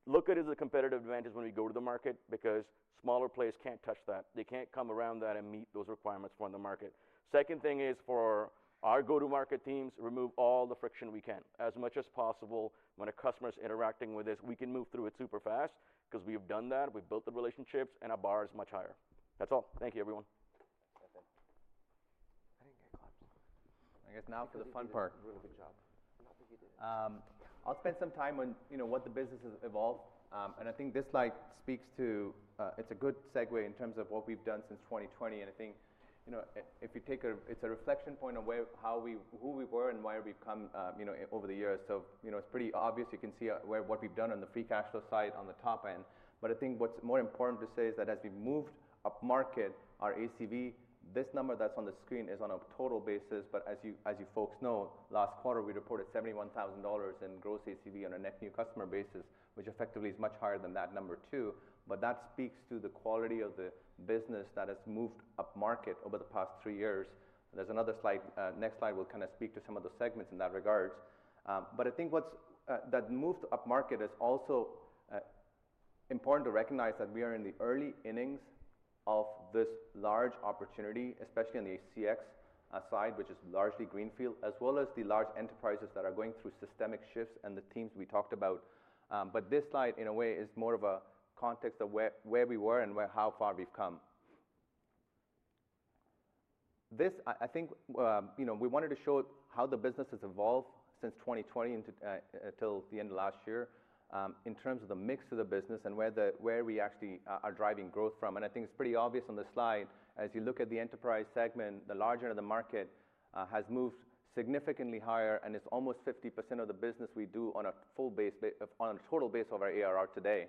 look at it as a competitive advantage when we go to the market, because smaller players can't touch that. They can't come around that and meet those requirements from the market. Second thing is, for our go-to-market teams, remove all the friction we can, as much as possible. When a customer is interacting with us, we can move through it super fast, 'cause we've done that, we've built the relationships, and our bar is much higher. That's all. Thank you, everyone. I think I clapped. I guess now for the fun part. You did a really good job. No, I think you did. I'll spend some time on, you know, what the business has evolved. I think this slide speaks to. It's a good segue in terms of what we've done since 2020, and I think, you know, if you take a it's a reflection point on where, how we who we were and why we've come, you know, over the years. So, you know, it's pretty obvious. You can see where what we've done on the free cash flow side, on the top end. But I think what's more important to say is that as we've moved upmarket, our ACV, this number that's on the screen, is on a total basis. But as you, as you folks know, last quarter, we reported $71,000 in gross ACV on a net new customer basis, which effectively is much higher than that number too. But that speaks to the quality of the business that has moved upmarket over the past three years. There's another slide, next slide, we'll kinda speak to some of the segments in that regard. But I think what's that move to upmarket is also important to recognize that we are in the early innings of this large opportunity, especially in the CX side, which is largely greenfield, as well as the large enterprises that are going through systemic shifts and the teams we talked about. But this slide, in a way, is more of a context of where we were and how far we've come. I think, you know, we wanted to show how the business has evolved since 2020 till the end of last year, in terms of the mix of the business and where we actually are driving growth from. And I think it's pretty obvious on the slide, as you look at the enterprise segment, the larger of the market, has moved significantly higher, and it's almost 50% of the business we do on a total base of our ARR today.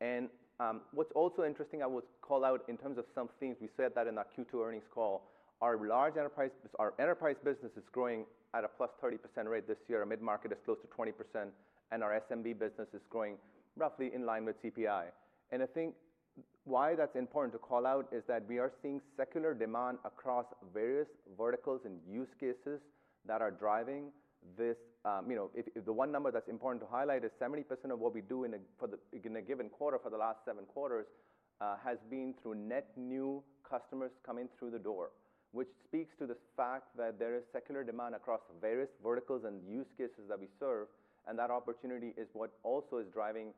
And, what's also interesting, I would call out in terms of some themes, we said that in our Q2 earnings call, our large enterprise, our enterprise business is growing at a +30% rate this year. Our mid-market is close to 20%, and our SMB business is growing roughly in line with CPI. And I think why that's important to call out is that we are seeing secular demand across various verticals and use cases that are driving this. You know, if the one number that's important to highlight is 70% of what we do in a given quarter for the last seven quarters has been through net new customers coming through the door, which speaks to the fact that there is secular demand across various verticals and use cases that we serve, and that opportunity is what also is driving,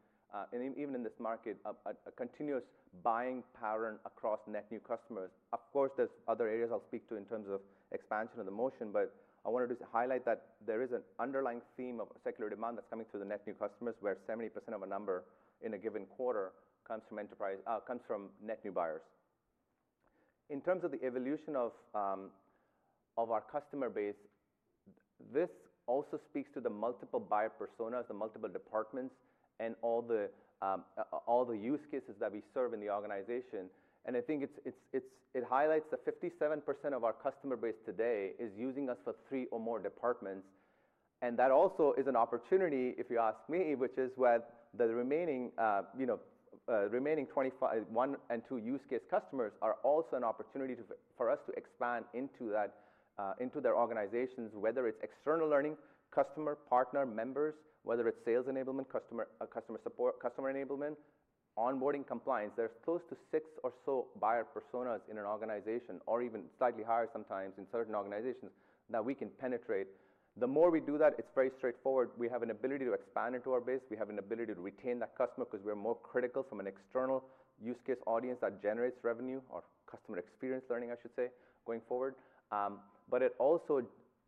and even in this market, a continuous buying pattern across net new customers. Of course, there's other areas I'll speak to in terms of expansion and the motion, but I wanted to just highlight that there is an underlying theme of secular demand that's coming through the net new customers, where 70% of a number in a given quarter comes from enterprise, comes from net new buyers. In terms of the evolution of our customer base, this also speaks to the multiple buyer personas, the multiple departments, and all the use cases that we serve in the organization. I think it highlights that 57% of our customer base today is using us for three or more departments, and that also is an opportunity, if you ask me, which is where the remaining 25 one and two use case customers are also an opportunity for us to expand into that into their organizations, whether it's external learning, customer, partner, members, whether it's sales enablement, customer support, customer enablement, onboarding compliance. There's close to six or so buyer personas in an organization, or even slightly higher sometimes in certain organizations, that we can penetrate. The more we do that, it's very straightforward. We have an ability to expand into our base. We have an ability to retain that customer 'cause we're more critical from an external use case audience that generates revenue or customer experience learning, I should say, going forward. But it also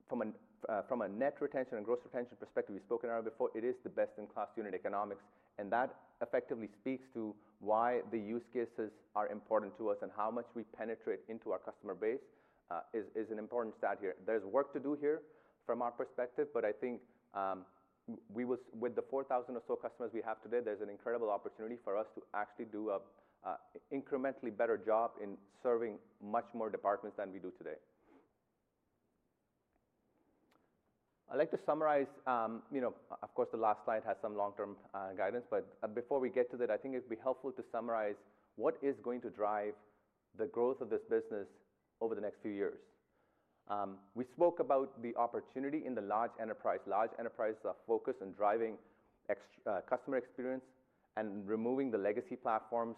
from a net retention and gross retention perspective, we've spoken about before, it is the best-in-class unit economics, and that effectively speaks to why the use cases are important to us and how much we penetrate into our customer base is an important stat here. There's work to do here from our perspective, but I think, with the 4,000 or so customers we have today, there's an incredible opportunity for us to actually do a incrementally better job in serving much more departments than we do today. I'd like to summarize, you know, of course, the last slide has some long-term guidance, but before we get to that, I think it'd be helpful to summarize what is going to drive the growth of this business over the next few years. We spoke about the opportunity in the large enterprise. Large enterprises are focused on driving EX, customer experience and removing the legacy platforms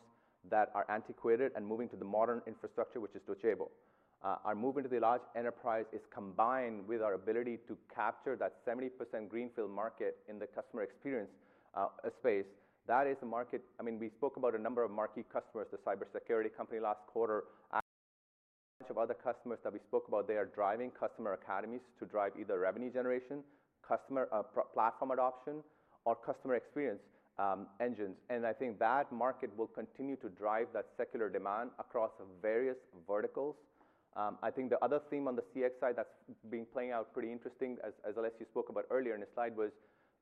that are antiquated and moving to the modern infrastructure, which is Docebo. Our move into the large enterprise is combined with our ability to capture that 70% greenfield market in the customer experience, space. That is the market. I mean, we spoke about a number of marquee customers, the cybersecurity company last quarter, bunch of other customers that we spoke about. They are driving customer academies to drive either revenue generation, customer platform adoption, or customer experience engines. And I think that market will continue to drive that secular demand across various verticals. I think the other theme on the CX side that's been playing out pretty interesting, as Alessio spoke about earlier in the slide, was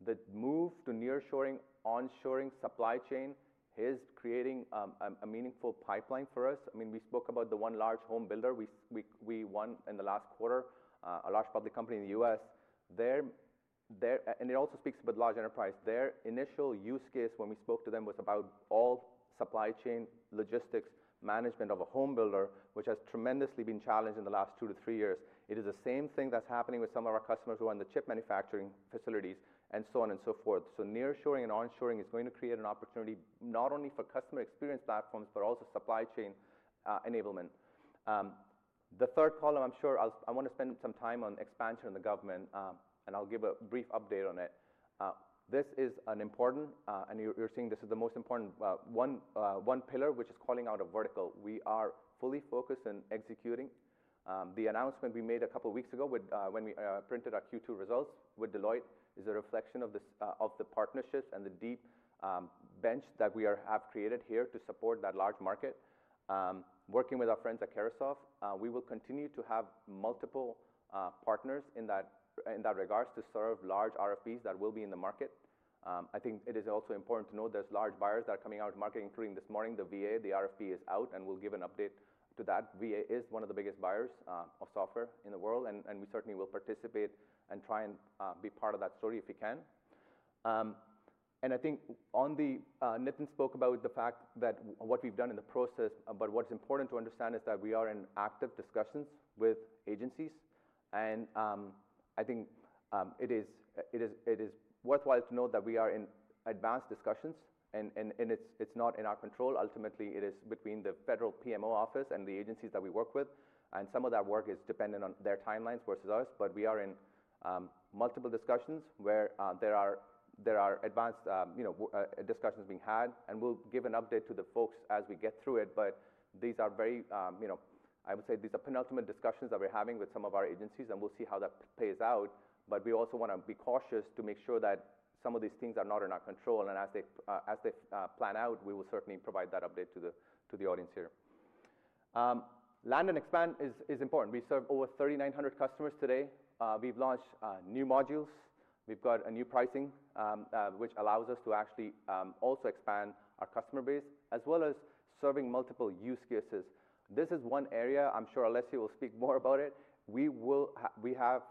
the move to nearshoring, onshoring supply chain is creating a meaningful pipeline for us. I mean, we spoke about the one large home builder we won in the last quarter, a large public company in the U.S. Their initial use case when we spoke to them was about all supply chain, logistics, management of a home builder, which has tremendously been challenged in the last two to three years. And it also speaks about large enterprise. It is the same thing that's happening with some of our customers who are in the chip manufacturing facilities and so on and so forth. So nearshoring and onshoring is going to create an opportunity not only for customer experience platforms, but also supply chain enablement. The third column, I'm sure I'll. I want to spend some time on expansion in the government, and I'll give a brief update on it. This is an important, and you're, you're seeing this is the most important, one, one pillar, which is calling out a vertical. We are fully focused in executing. The announcement we made a couple of weeks ago, when we printed our Q2 results with Deloitte, is a reflection of the partnerships and the deep bench that we have created here to support that large market. Working with our friends at Carahsoft, we will continue to have multiple partners in that regard to serve large RFPs that will be in the market. I think it is also important to note there's large buyers that are coming out to market, including this morning, the VA RFP is out, and we'll give an update to that. VA is one of the biggest buyers of software in the world, and we certainly will participate and try and be part of that story if we can. And I think on the, Nitin spoke about the fact that what we've done in the process, but what's important to understand is that we are in active discussions with agencies and, I think, it is worthwhile to note that we are in advanced discussions and it's not in our control. Ultimately, it is between the federal PMO office and the agencies that we work with, and some of that work is dependent on their timelines versus ours. But we are in multiple discussions where there are advanced, you know, discussions being had, and we'll give an update to the folks as we get through it. But these are very, you know, I would say these are penultimate discussions that we're having with some of our agencies, and we'll see how that plays out. But we also wanna be cautious to make sure that some of these things are not in our control, and as they plan out, we will certainly provide that update to the audience here. Land and Expand is important. We serve over 3,900 customers today. We've launched new modules. We've got a new pricing which allows us to actually also expand our customer base, as well as serving multiple use cases. This is one area, I'm sure Alessio will speak more about it. We have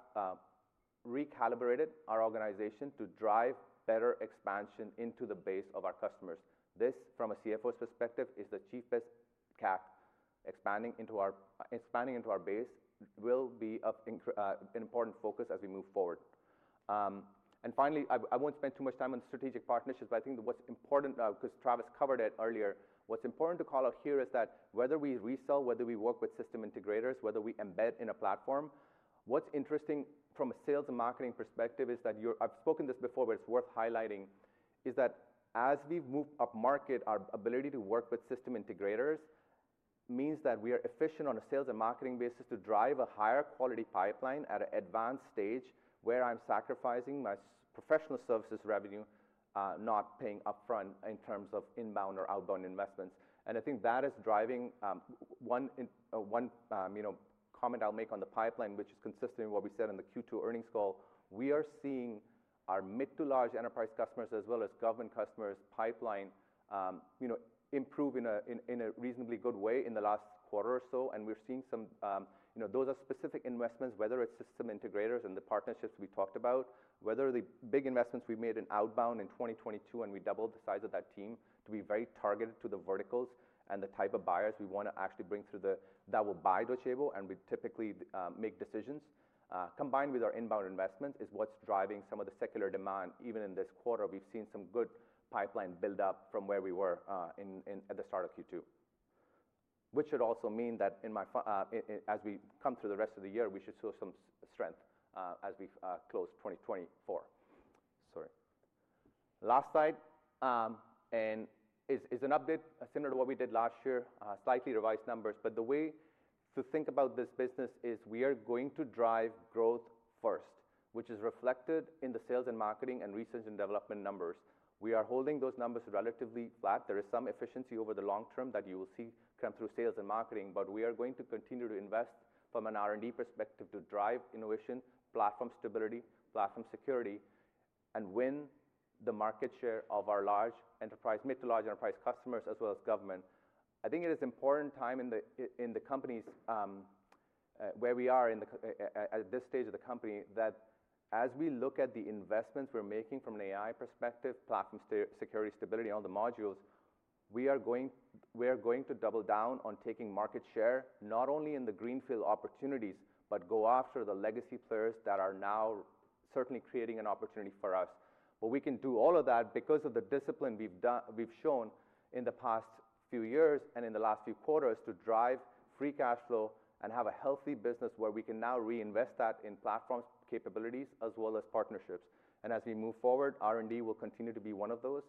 recalibrated our organization to drive better expansion into the base of our customers. This, from a CFO's perspective, is the cheapest CapEx. Expanding into our base will be of increasing importance as we move forward, and finally, I won't spend too much time on strategic partnerships, but I think what's important, 'cause Travis covered it earlier, what's important to call out here is that whether we resell, whether we work with system integrators, whether we embed in a platform, what's interesting from a sales and marketing perspective is that I've spoken this before, but it's worth highlighting, is that as we move upmarket, our ability to work with system integrators means that we are efficient on a sales and marketing basis to drive a higher quality pipeline at an advanced stage, where I'm sacrificing my professional services revenue, not paying upfront in terms of inbound or outbound investments. And I think that is driving one comment I'll make on the pipeline, which is consistent in what we said in the Q2 earnings call. We are seeing our mid to large enterprise customers, as well as government customers' pipeline, you know, improve in a reasonably good way in the last quarter or so, and we're seeing some you know those are specific investments, whether it's system integrators and the partnerships we talked about, whether the big investments we made in outbound in 2022, and we doubled the size of that team to be very targeted to the verticals and the type of buyers we wanna actually bring through that that will buy Docebo, and we typically make decisions. Combined with our inbound investments, is what's driving some of the secular demand. Even in this quarter, we've seen some good pipeline build up from where we were at the start of Q2. Which should also mean that as we come through the rest of the year, we should show some strength as we close 2024. Sorry. Last slide, and is an update similar to what we did last year, slightly revised numbers, but the way to think about this business is we are going to drive growth first, which is reflected in the sales and marketing and research and development numbers. We are holding those numbers relatively flat. There is some efficiency over the long term that you will see come through sales and marketing, but we are going to continue to invest from an R&D perspective to drive innovation, platform stability, platform security, and win the market share of our large enterprise, mid to large enterprise customers, as well as government. I think it is important time in the company's, where we are in the, at this stage of the company, that as we look at the investments we're making from an AI perspective, platform security, stability on the modules, we are going, we are going to double down on taking market share, not only in the greenfield opportunities, but go after the legacy players that are now certainly creating an opportunity for us. But we can do all of that because of the discipline we've shown in the past few years, and in the last few quarters, to drive free cash flow and have a healthy business where we can now reinvest that in platform capabilities as well as partnerships. And as we move forward, R&D will continue to be one of those.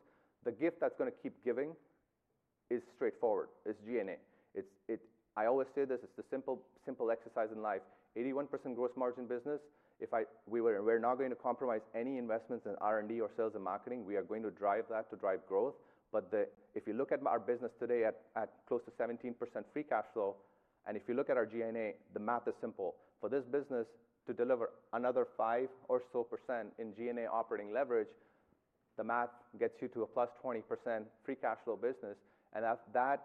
The gift that's gonna keep giving is straightforward, is G&A. It's I always say this: it's the simple, simple exercise in life. 81% gross margin business, if we're not going to compromise any investments in R&D or sales and marketing. We are going to drive that to drive growth. But if you look at our business today at close to 17% free cash flow, and if you look at our G&A, the math is simple. For this business to deliver another 5% or so in G&A operating leverage, the math gets you to a +20% free cash flow business, and that, that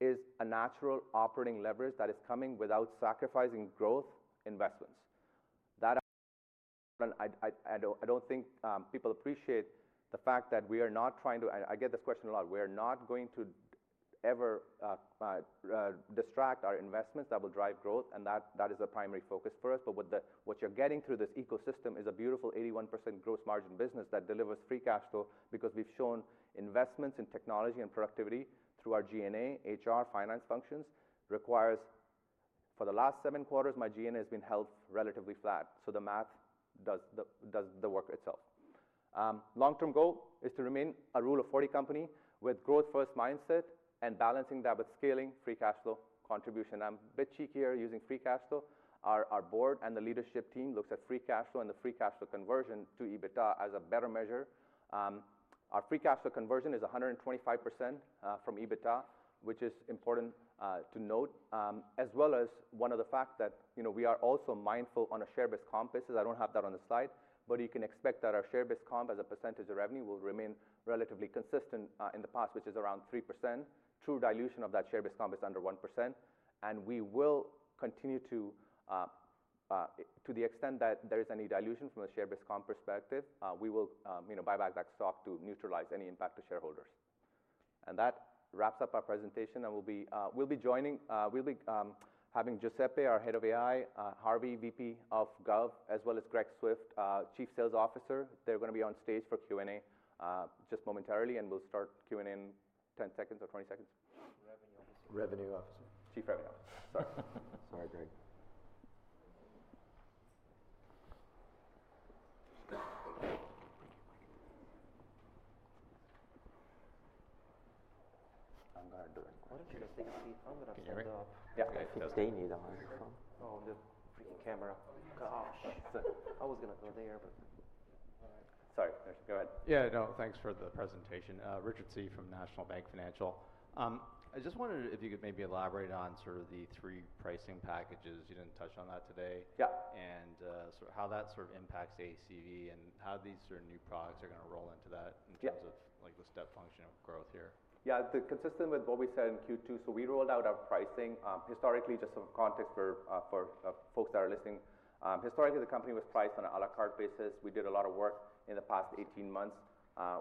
is a natural operating leverage that is coming without sacrificing growth investments. That, I don't think people appreciate the fact that we are not trying to... I get this question a lot. We are not going to ever distract our investments that will drive growth, and that, that is a primary focus for us. But what you're getting through this ecosystem is a beautiful 81% gross margin business that delivers free cash flow because we've shown investments in technology and productivity through our G&A, HR, finance functions, requires... For the last seven quarters, my G&A has been held relatively flat, so the math does the work itself. Long-term goal is to remain a Rule of 40 company with growth-first mindset and balancing that with scaling free cash flow contribution. I'm a bit cheeky here using free cash flow. Our board and the leadership team looks at free cash flow and the free cash flow conversion to EBITDA as a better measure. Our free cash flow conversion is 125% from EBITDA, which is important to note. As well as one of the fact that, you know, we are also mindful on a share-based comp basis. I don't have that on the slide, but you can expect that our share-based comp as a percentage of revenue will remain relatively consistent in the past, which is around 3%. True dilution of that share-based comp is under 1%, and we will continue to, to the extent that there is any dilution from a share-based comp perspective, we will, you know, buy back that stock to neutralize any impact to shareholders. And that wraps up our presentation, and we'll be, we'll be, having Giuseppe, our head of AI, Harvey, VP of Gov, as well as Greg Swift, Chief Sales Officer. They're gonna be on stage for Q&A, just momentarily, and we'll start Q&A in 10 seconds or 20 seconds. Revenue officer. Chief Revenue Officer. Sorry. Sorry, Greg. I'm gonna do it. What if they see... I'm gonna stand up. Can you hear me? Yeah. I think they need a microphone. Oh, the freaking camera. Oh, gosh! I was gonna go there, but all right. Sorry, Richard, go ahead. Yeah, no, thanks for the presentation. Richard Tse from National Bank Financial. I just wondered if you could maybe elaborate on sort of the three pricing packages. You didn't touch on that today. Yeah. Sort of how that sort of impacts ACV, and how these certain new products are gonna roll into that. Yeah... in terms of, like, the step function of growth here. Yeah, that's consistent with what we said in Q2, so we rolled out our pricing. Historically, just some context for folks that are listening. Historically, the company was priced on an à la carte basis. We did a lot of work in the past 18 months.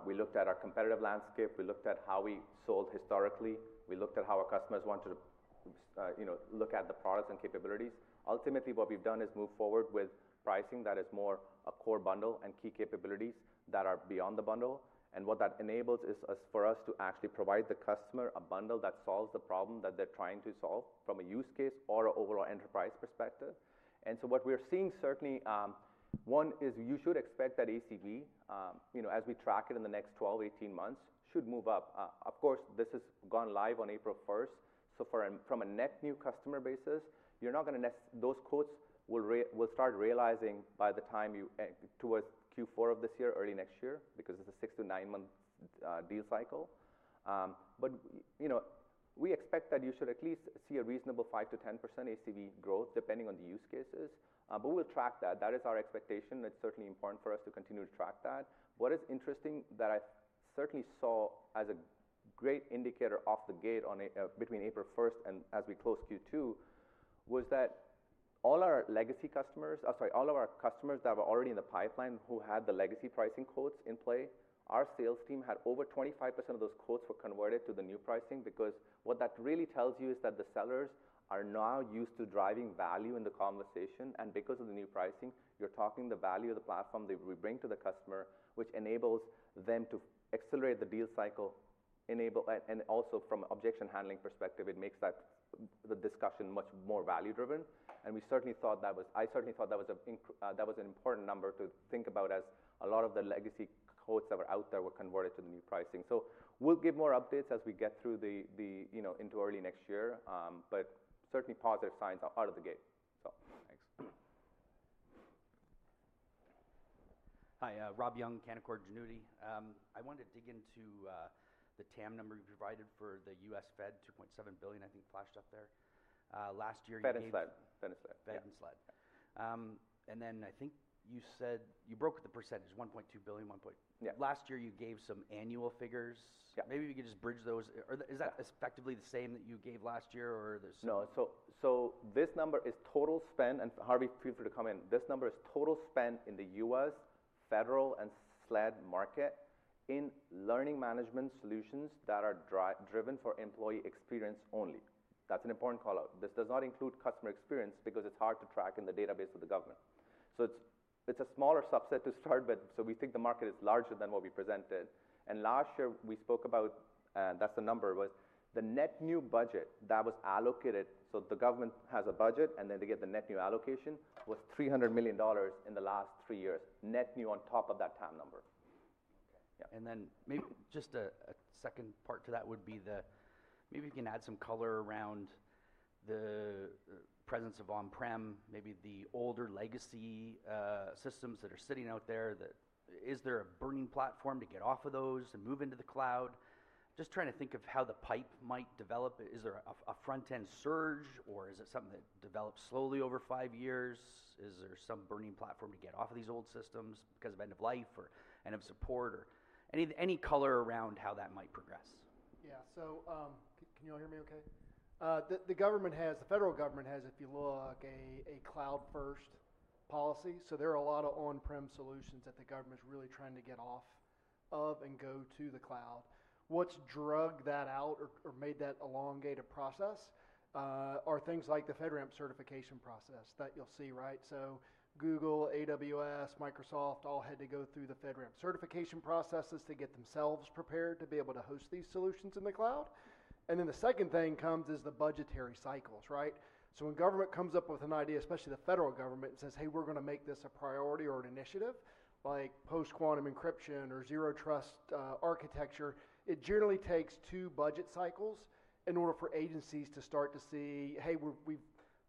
We looked at our competitive landscape, we looked at how we sold historically, we looked at how our customers wanted to, you know, look at the products and capabilities. Ultimately, what we've done is move forward with pricing that is more a core bundle and key capabilities that are beyond the bundle. And what that enables is for us to actually provide the customer a bundle that solves the problem that they're trying to solve from a use case or an overall enterprise perspective. And so what we're seeing, certainly, one, is you should expect that ACV, you know, as we track it in the next 12 to 18 months, should move up. Of course, this has gone live on April first, so from a net new customer basis, you're not gonna see those quotes will start realizing by the time you, towards Q4 of this year, early next year, because it's a six- to nine-month deal cycle. But, you know, we expect that you should at least see a reasonable 5%-10% ACV growth, depending on the use cases. But we'll track that. That is our expectation. That's certainly important for us to continue to track that. What is interesting that I certainly saw as a great indicator off the gate on between April first and as we close Q2, was that all our legacy customers sorry, all of our customers that were already in the pipeline who had the legacy pricing quotes in play, our sales team had over 25% of those quotes were converted to the new pricing. Because what that really tells you is that the sellers are now used to driving value in the conversation, and because of the new pricing, you're talking the value of the platform that we bring to the customer, which enables them to accelerate the deal cycle, enable and also from objection handling perspective, it makes that, the discussion much more value driven. We certainly thought that was. I certainly thought that was an important number to think about as a lot of the legacy quotes that were out there were converted to the new pricing. So we'll give more updates as we get through, you know, into early next year. But certainly positive signs are out of the gate. So, thanks. Hi, Rob Young, Canaccord Genuity. I wanted to dig into the TAM number you provided for the U.S. Fed, $2.7 billion, I think, flashed up there. Last year you- Fed and SLED. Fed and SLED, and then I think you said you broke the percentage, $1.2 billion, one point- Yeah. Last year, you gave some annual figures. Yeah. Maybe you could just bridge those. Or is that effectively the same that you gave last year, or there's- No. So this number is total spend, and Harvey, feel free to come in. This number is total spend in the U.S. Federal and SLED market in learning management solutions that are driven for employee experience only. That's an important call-out. This does not include customer experience because it's hard to track in the database of the government. So it's a smaller subset to start with, so we think the market is larger than what we presented. Last year we spoke about, that's the number, was the net new budget that was allocated. So the government has a budget, and then they get the net new allocation, was $300 million in the last three years, net new on top of that TAM number. Okay. Yeah. And then just a second part to that would be the maybe you can add some color around the presence of on-prem maybe the older legacy systems that are sitting out there that is there a burning platform to get off of those and move into the cloud? Just trying to think of how the pipe might develop. Is there a front-end surge or is it something that develops slowly over five years? Is there some burning platform to get off of these old systems because of end of life or end of support or any color around how that might progress? Yeah. So, can you all hear me okay? The federal government has, if you look, a Cloud First policy, so there are a lot of on-prem solutions that the government's really trying to get off of and go to the cloud. What's dragged that out or made that elongated process are things like the FedRAMP certification process that you'll see, right? So Google, AWS, Microsoft, all had to go through the FedRAMP certification processes to get themselves prepared to be able to host these solutions in the cloud. And then the second thing comes is the budgetary cycles, right? So when government comes up with an idea, especially the federal government, and says: Hey, we're gonna make this a priority or an initiative, like post-quantum encryption or Zero Trust architecture, it generally takes two budget cycles in order for agencies to start to see, hey, we're, we've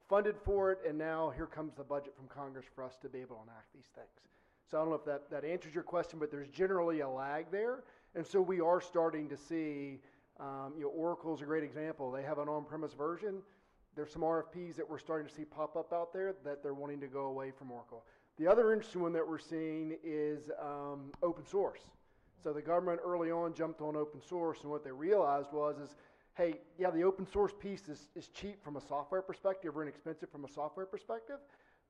funded for it, and now here comes the budget from Congress for us to be able to enact these things. So I don't know if that answers your question, but there's generally a lag there, and so we are starting to see. You know, Oracle is a great example. They have an on-premise version. There's some RFPs that we're starting to see pop up out there, that they're wanting to go away from Oracle. The other interesting one that we're seeing is open source. So the government early on jumped on open source, and what they realized was, "Hey, yeah, the open source piece is cheap from a software perspective or inexpensive from a software perspective,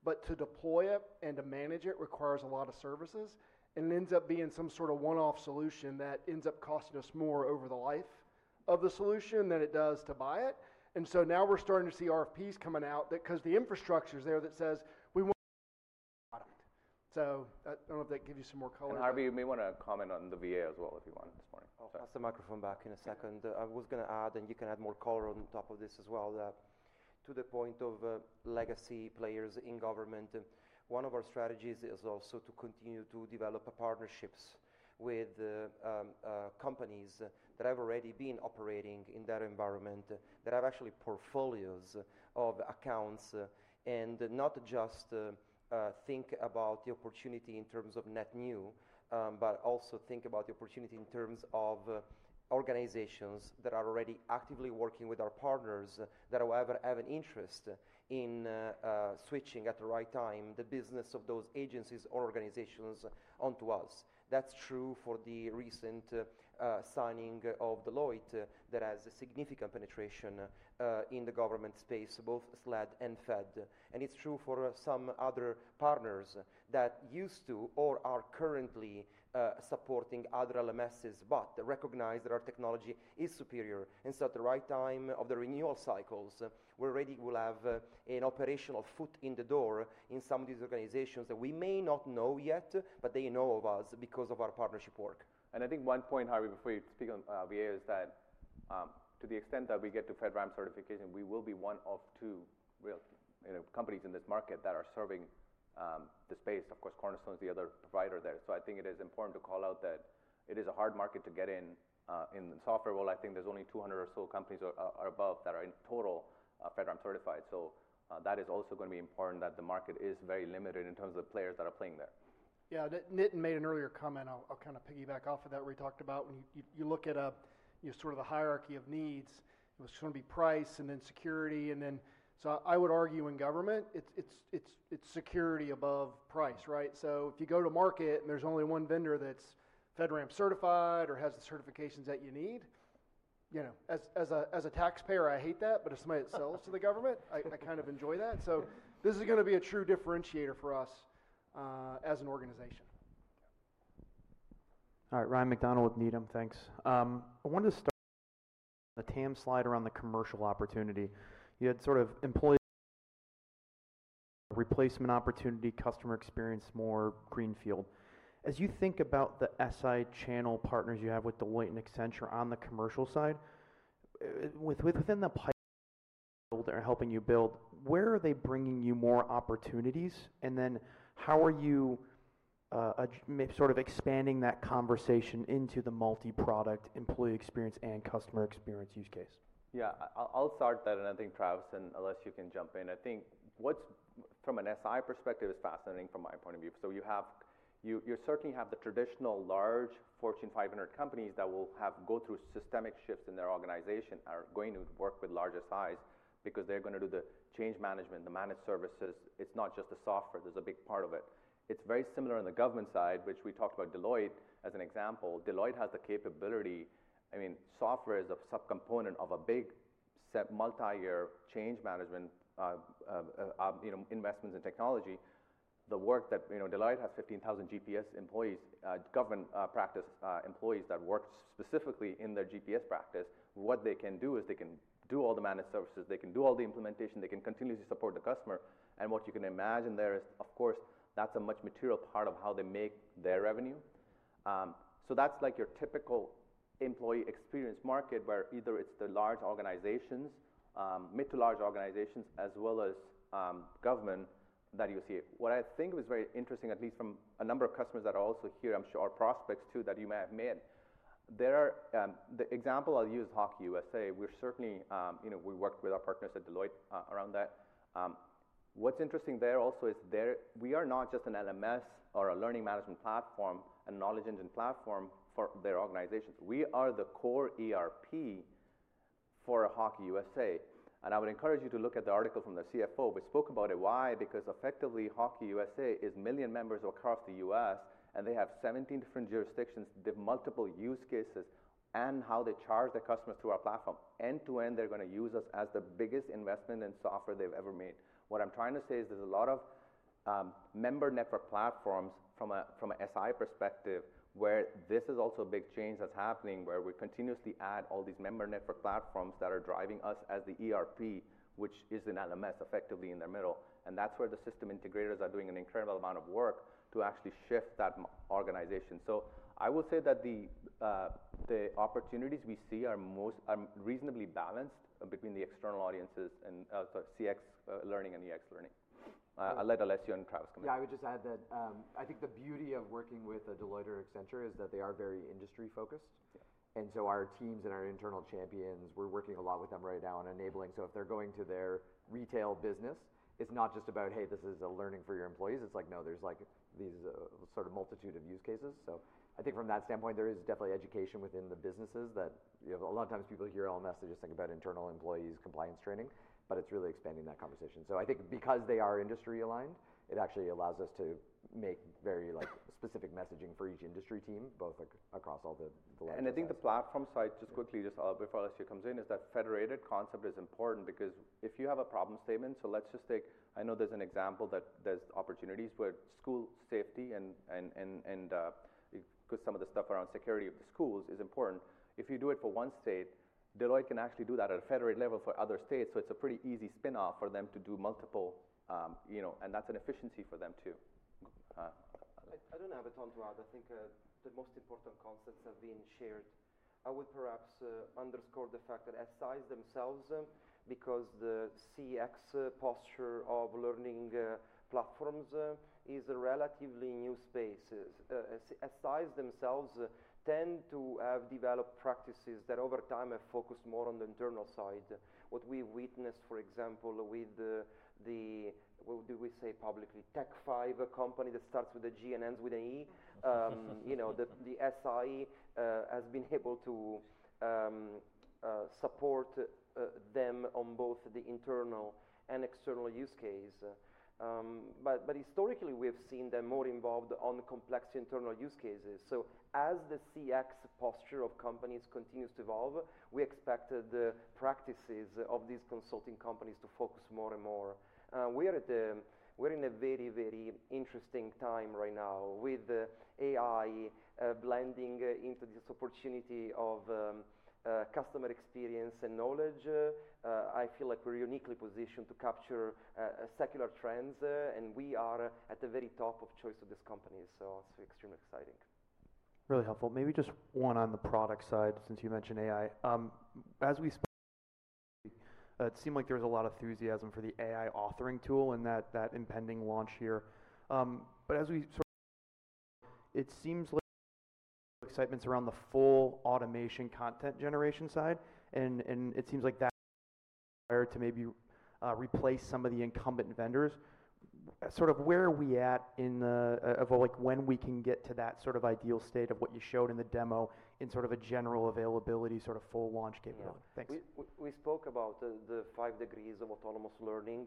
but to deploy it and to manage it requires a lot of services, and ends up being some sort of one-off solution that ends up costing us more over the life of the solution than it does to buy it." And so now we're starting to see RFPs coming out that, 'cause the infrastructure's there, that says, "We want product." So, I don't know if that gives you some more color. Harvey, you may wanna comment on the VA as well, if you want, this morning. I'll pass the microphone back in a second. I was gonna add, and you can add more color on top of this as well, that to the point of legacy players in government, one of our strategies is also to continue to develop partnerships with the companies that have already been operating in that environment, that have actually portfolios of accounts, and not just think about the opportunity in terms of net new, but also think about the opportunity in terms of organizations that are already actively working with our partners, that however, have an interest in switching at the right time, the business of those agencies or organizations onto us. That's true for the recent signing of Deloitte, that has a significant penetration in the government space, both SLED and Fed. And it's true for some other partners that used to or are currently supporting other LMSs, but recognize that our technology is superior. And so at the right time of the renewal cycles, we already will have an operational foot in the door in some of these organizations that we may not know yet, but they know of us because of our partnership work. I think one point, Harvey, before you speak on VA, is that to the extent that we get to FedRAMP certification, we will be one of two real, you know, companies in this market that are serving the space. Of course, Cornerstone is the other provider there. So I think it is important to call out that it is a hard market to get in. In the software world, I think there's only 200 or so companies or above that are in total FedRAMP certified. So that is also gonna be important, that the market is very limited in terms of players that are playing there.... Yeah, Nitin made an earlier comment. I'll kind of piggyback off of that, where he talked about when you look at a, you know, sort of the hierarchy of needs. It was gonna be price, and then security, and then... So I would argue in government, it's security above price, right? So if you go to market and there's only one vendor that's FedRAMP certified or has the certifications that you need, you know, as a taxpayer, I hate that, but as somebody that sells to the government, I kind of enjoy that. So this is gonna be a true differentiator for us as an organization. All right, Ryan MacDonald with Needham. Thanks. I wanted to start the TAM slide around the commercial opportunity. You had sort of employee replacement opportunity, customer experience, more greenfield. As you think about the SI channel partners you have with Deloitte and Accenture on the commercial side, within the pipe they're helping you build, where are they bringing you more opportunities? And then how are you, may sort of expanding that conversation into the multi-product employee experience and customer experience use case? Yeah. I'll start that, and I think Travis and Alessio, you can jump in. I think what's from an SI perspective is fascinating from my point of view. So you certainly have the traditional large Fortune 500 companies that will have go through systemic shifts in their organization, are going to work with larger SIs because they're gonna do the change management, the managed services. It's not just the software, there's a big part of it. It's very similar on the government side, which we talked about Deloitte as an example. Deloitte has the capability. I mean, software is a subcomponent of a big set, multi-year change management, you know, investments in technology. The work that, you know, Deloitte has 15,000 GPS employees, government practice employees that work specifically in their GPS practice. What they can do is they can do all the managed services, they can do all the implementation, they can continuously support the customer, and what you can imagine there is, of course, that's a much material part of how they make their revenue. So that's like your typical employee experience market, where either it's the large organizations, mid to large organizations, as well as, government that you see. What I think was very interesting, at least from a number of customers that are also here, I'm sure, are prospects too, that you may have met. There are, the example I'll use, Hockey USA, we're certainly, you know, we work with our partners at Deloitte around that. What's interesting there also is there we are not just an LMS or a learning management platform, a knowledge engine platform for their organizations. We are the core ERP for Hockey USA, and I would encourage you to look at the article from the CFO. We spoke about it. Why? Because effectively, Hockey USA has 1 million members across the U.S., and they have 17 different jurisdictions, the multiple use cases, and how they charge their customers through our platform. End-to-end, they're gonna use us as the biggest investment in software they've ever made. What I'm trying to say is there's a lot of member network platforms from a SI perspective, where this is also a big change that's happening, where we continuously add all these member network platforms that are driving us as the ERP, which is an LMS effectively in their middle. And that's where the system integrators are doing an incredible amount of work to actually shift that organization. So I would say that the opportunities we see are most reasonably balanced between the external audiences and CX learning and EX learning. I'll let Alessio and Travis comment. Yeah, I would just add that, I think the beauty of working with a Deloitte or Accenture is that they are very industry focused. Yeah. And so our teams and our internal champions, we're working a lot with them right now on enabling. So if they're going to their retail business, it's not just about, "Hey, this is a learning for your employees." It's like, "No, there's like these, sort of multitude of use cases." So I think from that standpoint, there is definitely education within the businesses that, you know, a lot of times people hear LMS, they just think about internal employees' compliance training, but it's really expanding that conversation. So I think because they are industry aligned, it actually allows us to make very, like, specific messaging for each industry team, both across all the large- And I think the platform side, just quickly, just, before Alessio comes in, is that federated concept is important because if you have a problem statement, so let's just take. I know there's an example, that there's opportunities where school safety and 'cause some of the stuff around security of the schools is important. If you do it for one state, Deloitte can actually do that at a federated level for other states, so it's a pretty easy spin-off for them to do multiple, you know, and that's an efficiency for them, too. I don't have a ton to add. I think the most important concepts have been shared. I would perhaps underscore the fact that SIs themselves, because the CX posture of learning platforms is a relatively new space. SIs themselves tend to have developed practices that, over time, have focused more on the internal side. What we witnessed, for example, with the what do we say publicly? Tech Five, a company that starts with a G and ends with an E. You know, the SI has been able to support them on both the internal and external use case, but historically, we have seen them more involved on complex internal use cases, so as the CX posture of companies continues to evolve, we expect the practices of these consulting companies to focus more and more. We're in a very, very interesting time right now with AI blending into this opportunity of customer experience and knowledge. I feel like we're uniquely positioned to capture secular trends, and we are at the very top of choice of this company, so it's extremely exciting. Really helpful. Maybe just one on the product side, since you mentioned AI. It seemed like there was a lot of enthusiasm for the AI authoring tool and that impending launch here. But excitement's around the full automation content generation side, and it seems like that's where to maybe replace some of the incumbent vendors. Sort of where are we at in the of like when we can get to that sort of ideal state of what you showed in the demo in sort of a general availability, sort of full launch capability? Yeah. Thanks. We spoke about the Five Degrees of Autonomous Learning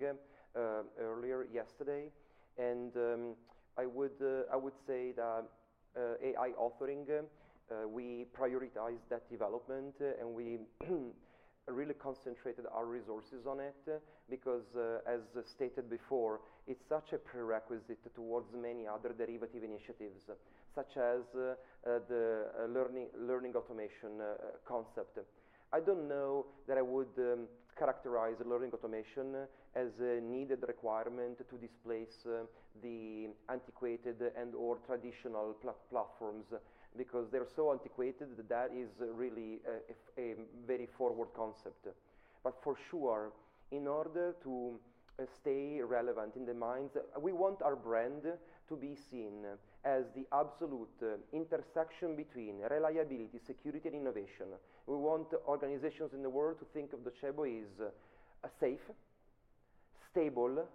earlier yesterday, and I would say that AI authoring we prioritize that development, and we really concentrated our resources on it. Because as stated before, it's such a prerequisite towards many other derivative initiatives, such as the learning automation concept. I don't know that I would characterize learning automation as a needed requirement to displace the antiquated and/or traditional platforms because they're so antiquated that that is really a very forward concept. But for sure, in order to stay relevant in the minds... We want our brand to be seen as the absolute intersection between reliability, security, and innovation. We want organizations in the world to think of Docebo as safe, stable,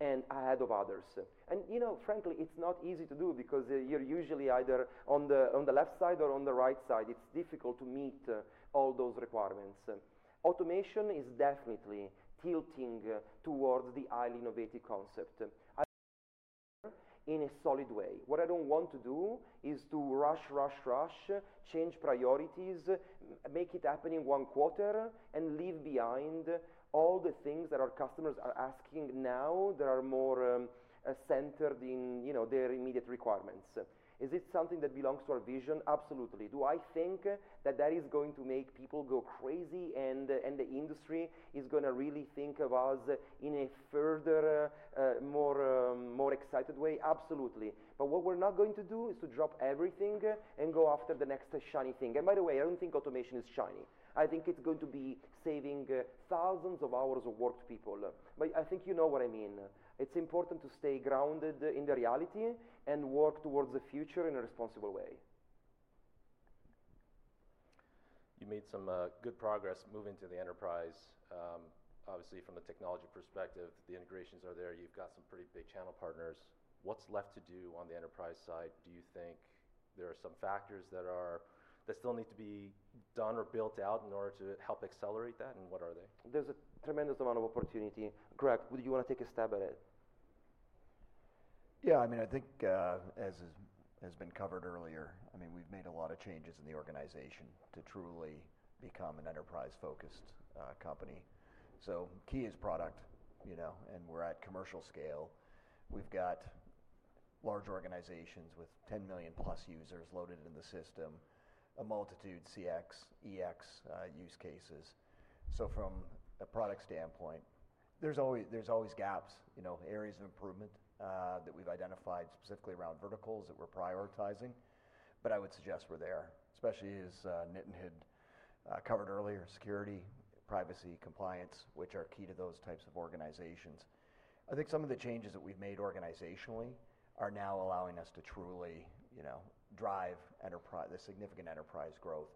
and ahead of others. You know, frankly, it's not easy to do because you're usually either on the, on the left side or on the right side. It's difficult to meet all those requirements. Automation is definitely tilting towards the highly innovative concept in a solid way. What I don't want to do is to rush, rush, rush, change priorities, make it happen in one quarter, and leave behind all the things that our customers are asking now that are more centered in, you know, their immediate requirements. Is it something that belongs to our vision? Absolutely. Do I think that that is going to make people go crazy, and the industry is gonna really think of us in a further, more, more excited way? Absolutely. But what we're not going to do is to drop everything and go after the next shiny thing. And by the way, I don't think automation is shiny. I think it's going to be saving thousands of hours of work to people. But I think you know what I mean. It's important to stay grounded in the reality and work towards the future in a responsible way. You made some good progress moving to the enterprise. Obviously, from a technology perspective, the integrations are there. You've got some pretty big channel partners. What's left to do on the enterprise side? Do you think there are some factors that still need to be done or built out in order to help accelerate that, and what are they? There's a tremendous amount of opportunity. Greg, would you wanna take a stab at it? Yeah, I mean, I think, as has been covered earlier, I mean, we've made a lot of changes in the organization to truly become an enterprise-focused company. So key is product, you know, and we're at commercial scale. We've got large organizations with 10 million+users loaded in the system, a multitude CX, EX use cases. So from a product standpoint, there's always gaps, you know, areas of improvement that we've identified specifically around verticals that we're prioritizing, but I would suggest we're there. Especially as Nitin had covered earlier, security, privacy, compliance, which are key to those types of organizations. I think some of the changes that we've made organizationally are now allowing us to truly, you know, drive enterprise, the significant enterprise growth.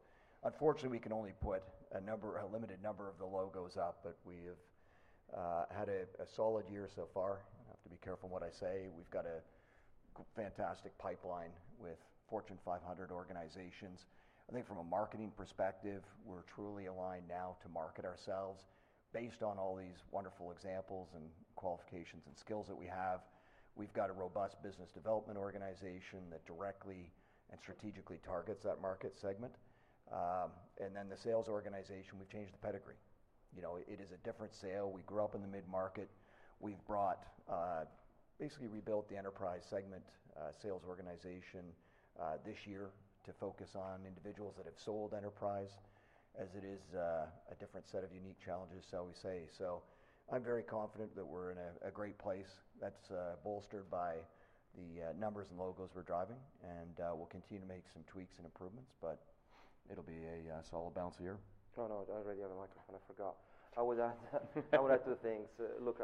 Unfortunately, we can only put a limited number of the logos up, but we've had a solid year so far. I have to be careful what I say. We've got a fantastic pipeline with Fortune 500 organizations. I think from a marketing perspective, we're truly aligned now to market ourselves based on all these wonderful examples, and qualifications, and skills that we have. We've got a robust business development organization that directly and strategically targets that market segment. And then, the sales organization, we've changed the pedigree. You know, it is a different sale. We grew up in the mid-market. We've brought basically rebuilt the enterprise segment sales organization this year to focus on individuals that have sold enterprise, as it is a different set of unique challenges, shall we say. I'm very confident that we're in a great place that's bolstered by the numbers and logos we're driving, and we'll continue to make some tweaks and improvements, but it'll be a solid bounce year. Oh, no, I already have a microphone. I forgot. I would add- I would add two things. Look,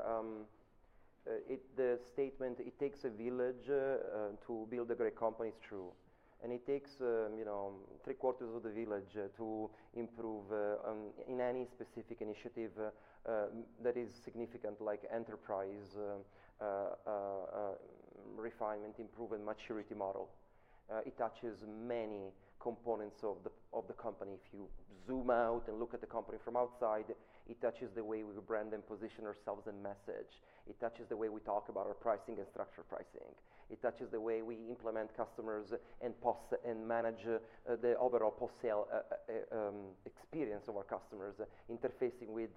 it, the statement, "It takes a village to build a great company" is true, and it takes, you know, three-quarters of the village to improve in any specific initiative that is significant, like enterprise refinement, improvement, maturity model. It touches many components of the company. If you zoom out and look at the company from outside, it touches the way we brand and position ourselves and message. It touches the way we talk about our pricing and structure pricing. It touches the way we implement customers and post- and manage the overall post-sale experience of our customers, interfacing with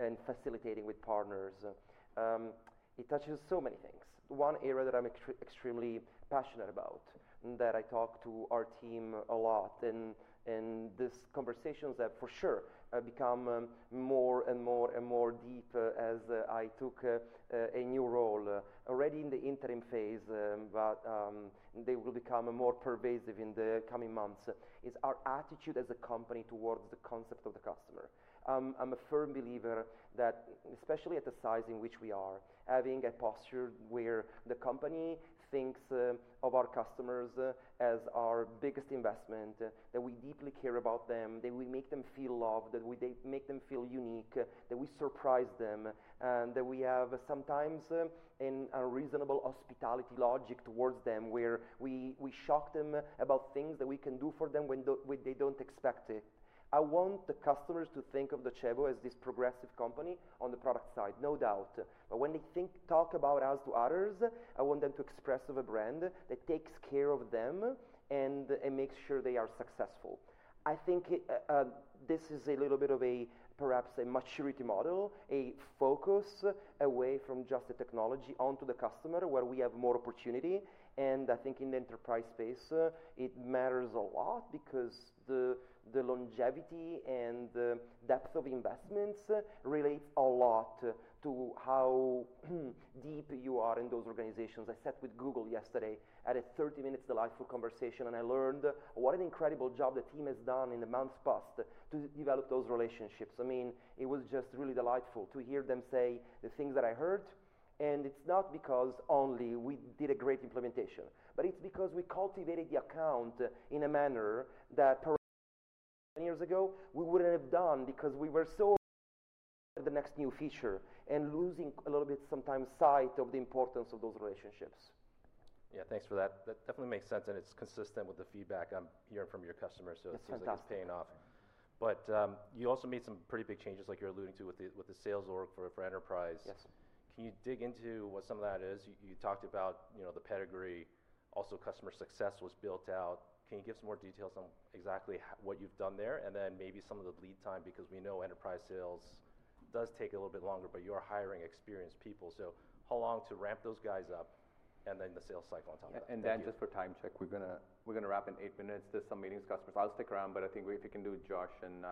and facilitating with partners. It touches so many things. One area that I'm extremely passionate about and that I talk to our team a lot, and these conversations have, for sure, become more and more deeper as I took a new role already in the interim phase. But they will become more pervasive in the coming months, is our attitude as a company towards the concept of the customer. I'm a firm believer that, especially at the size in which we are, having a posture where the company thinks of our customers as our biggest investment, that we deeply care about them, that we make them feel loved, that we make them feel unique, that we surprise them, and that we have sometimes an unreasonable hospitality logic towards them, where we shock them about things that we can do for them when they don't expect it. I want the customers to think of Docebo as this progressive company on the product side, no doubt. But when they think, talk about us to others, I want them to express of a brand that takes care of them and makes sure they are successful. I think this is a little bit of a perhaps a maturity model, a focus away from just the technology onto the customer, where we have more opportunity. I think in the enterprise space it matters a lot because the longevity and the depth of investments relates a lot to how deep you are in those organizations. I sat with Google yesterday, had a 30-minute delightful conversation, and I learned what an incredible job the team has done in the months past to develop those relationships. I mean, it was just really delightful to hear them say the things that I heard, and it's not because only we did a great implementation, but it's because we cultivated the account in a manner that perhaps years ago we wouldn't have done, because we were so on the next new feature and losing a little bit sometimes sight of the importance of those relationships. Yeah, thanks for that. That definitely makes sense, and it's consistent with the feedback I'm hearing from your customers. It's fantastic. So it seems like it's paying off. But, you also made some pretty big changes, like you're alluding to, with the sales org for enterprise. Yes. Can you dig into what some of that is? You talked about, you know, the pedigree. Also, customer success was built out. Can you give us more details on exactly what you've done there, and then maybe some of the lead time? Because we know enterprise sales does take a little bit longer, but you're hiring experienced people. So how long to ramp those guys up, and then the sales cycle on top of that? Then just for time check, we're gonna wrap in eight minutes. There's some meetings afterwards. I'll stick around, but I think if we can do Josh and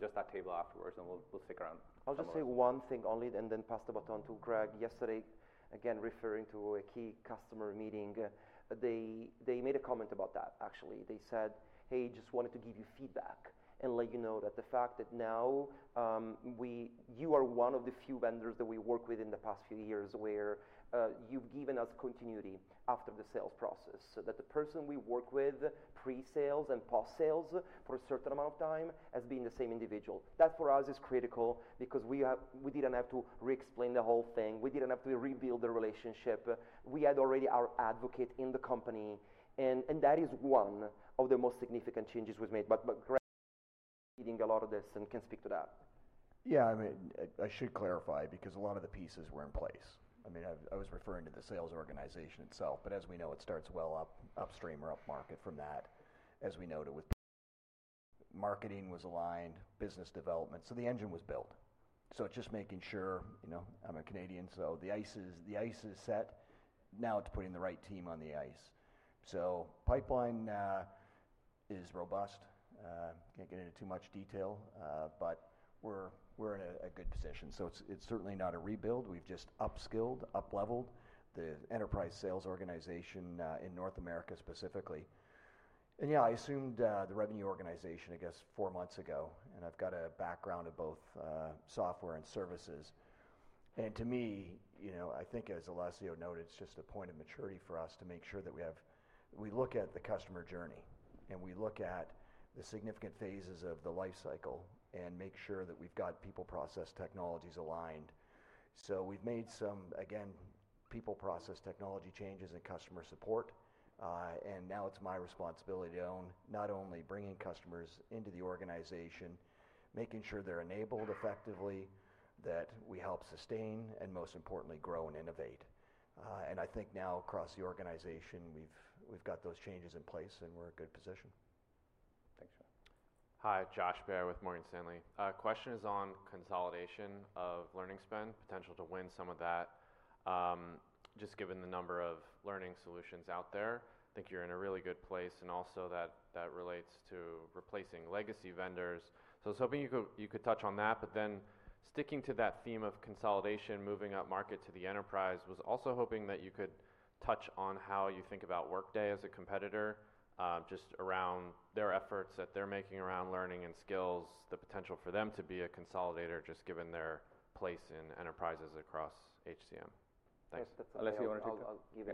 just that table afterwards, and we'll stick around. I'll just say one thing only and then pass the baton to Greg. Yesterday, again, referring to a key customer meeting, they made a comment about that, actually. They said, "Hey, just wanted to give you feedback and let you know that the fact that now, you are one of the few vendors that we worked with in the past few years where, you've given us continuity after the sales process, so that the person we work with, pre-sales and post-sales, for a certain amount of time, has been the same individual." That, for us, is critical because we have, we didn't have to re-explain the whole thing. We didn't have to rebuild the relationship. We had already our advocate in the company, and that is one of the most significant changes we've made. But, Greg, leading a lot of this and can speak to that. Yeah, I mean, I should clarify, because a lot of the pieces were in place. I mean, I was referring to the sales organization itself, but as we know, it starts well upstream or upmarket from that. As we noted with marketing was aligned, business development, so the engine was built. So just making sure, you know, I'm a Canadian, so the ice is set. Now, to putting the right team on the ice. So pipeline is robust. Can't get into too much detail, but we're in a good position. So it's certainly not a rebuild. We've just upskilled, upleveled the enterprise sales organization in North America, specifically. And yeah, I assumed the revenue organization, I guess, four months ago, and I've got a background in both software and services. To me, you know, I think as Alessio noted, it's just a point of maturity for us to make sure that we have... We look at the customer journey, and we look at the significant phases of the life cycle and make sure that we've got people, process, technologies aligned. So we've made some, again, people, process, technology changes in customer support, and now it's my responsibility to own not only bringing customers into the organization, making sure they're enabled effectively, that we help sustain, and most importantly, grow and innovate. I think now across the organization, we've got those changes in place, and we're in a good position. Thanks, Greg. Hi, Josh Baer with Morgan Stanley. Question is on consolidation of learning spend, potential to win some of that. Just given the number of learning solutions out there, I think you're in a really good place, and also that relates to replacing legacy vendors. So I was hoping you could touch on that, but then sticking to that theme of consolidation, moving upmarket to the enterprise, was also hoping that you could touch on how you think about Workday as a competitor, just around their efforts that they're making around learning and skills, the potential for them to be a consolidator, just given their place in enterprises across HCM. Thanks. Yes, that's- Alessio, you wanna take that? I'll give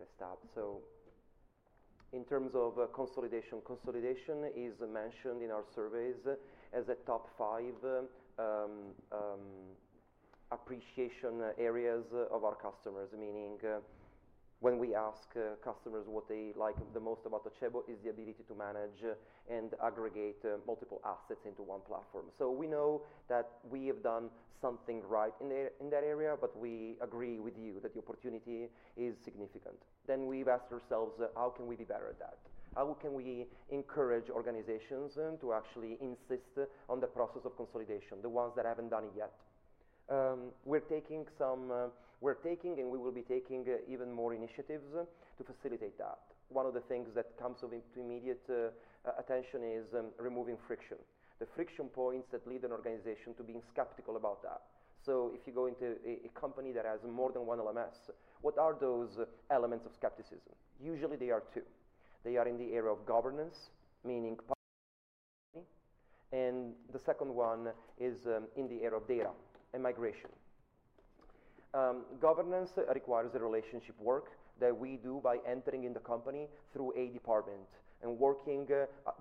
it a start. In terms of consolidation, consolidation is mentioned in our surveys as a top five appreciation areas of our customers. Meaning, when we ask customers what they like the most about Docebo is the ability to manage and aggregate multiple assets into one platform. So we know that we have done something right in that area, but we agree with you that the opportunity is significant. Then we've asked ourselves: How can we be better at that? How can we encourage organizations to actually insist on the process of consolidation, the ones that haven't done it yet? We're taking some. We're taking, and we will be taking, even more initiatives to facilitate that. One of the things that comes into immediate attention is removing friction, the friction points that lead an organization to being skeptical about that. So if you go into a company that has more than one LMS, what are those elements of skepticism? Usually, they are two. They are in the area of governance, meaning, and the second one is in the area of data and migration. Governance requires a relationship work that we do by entering in the company through a department and working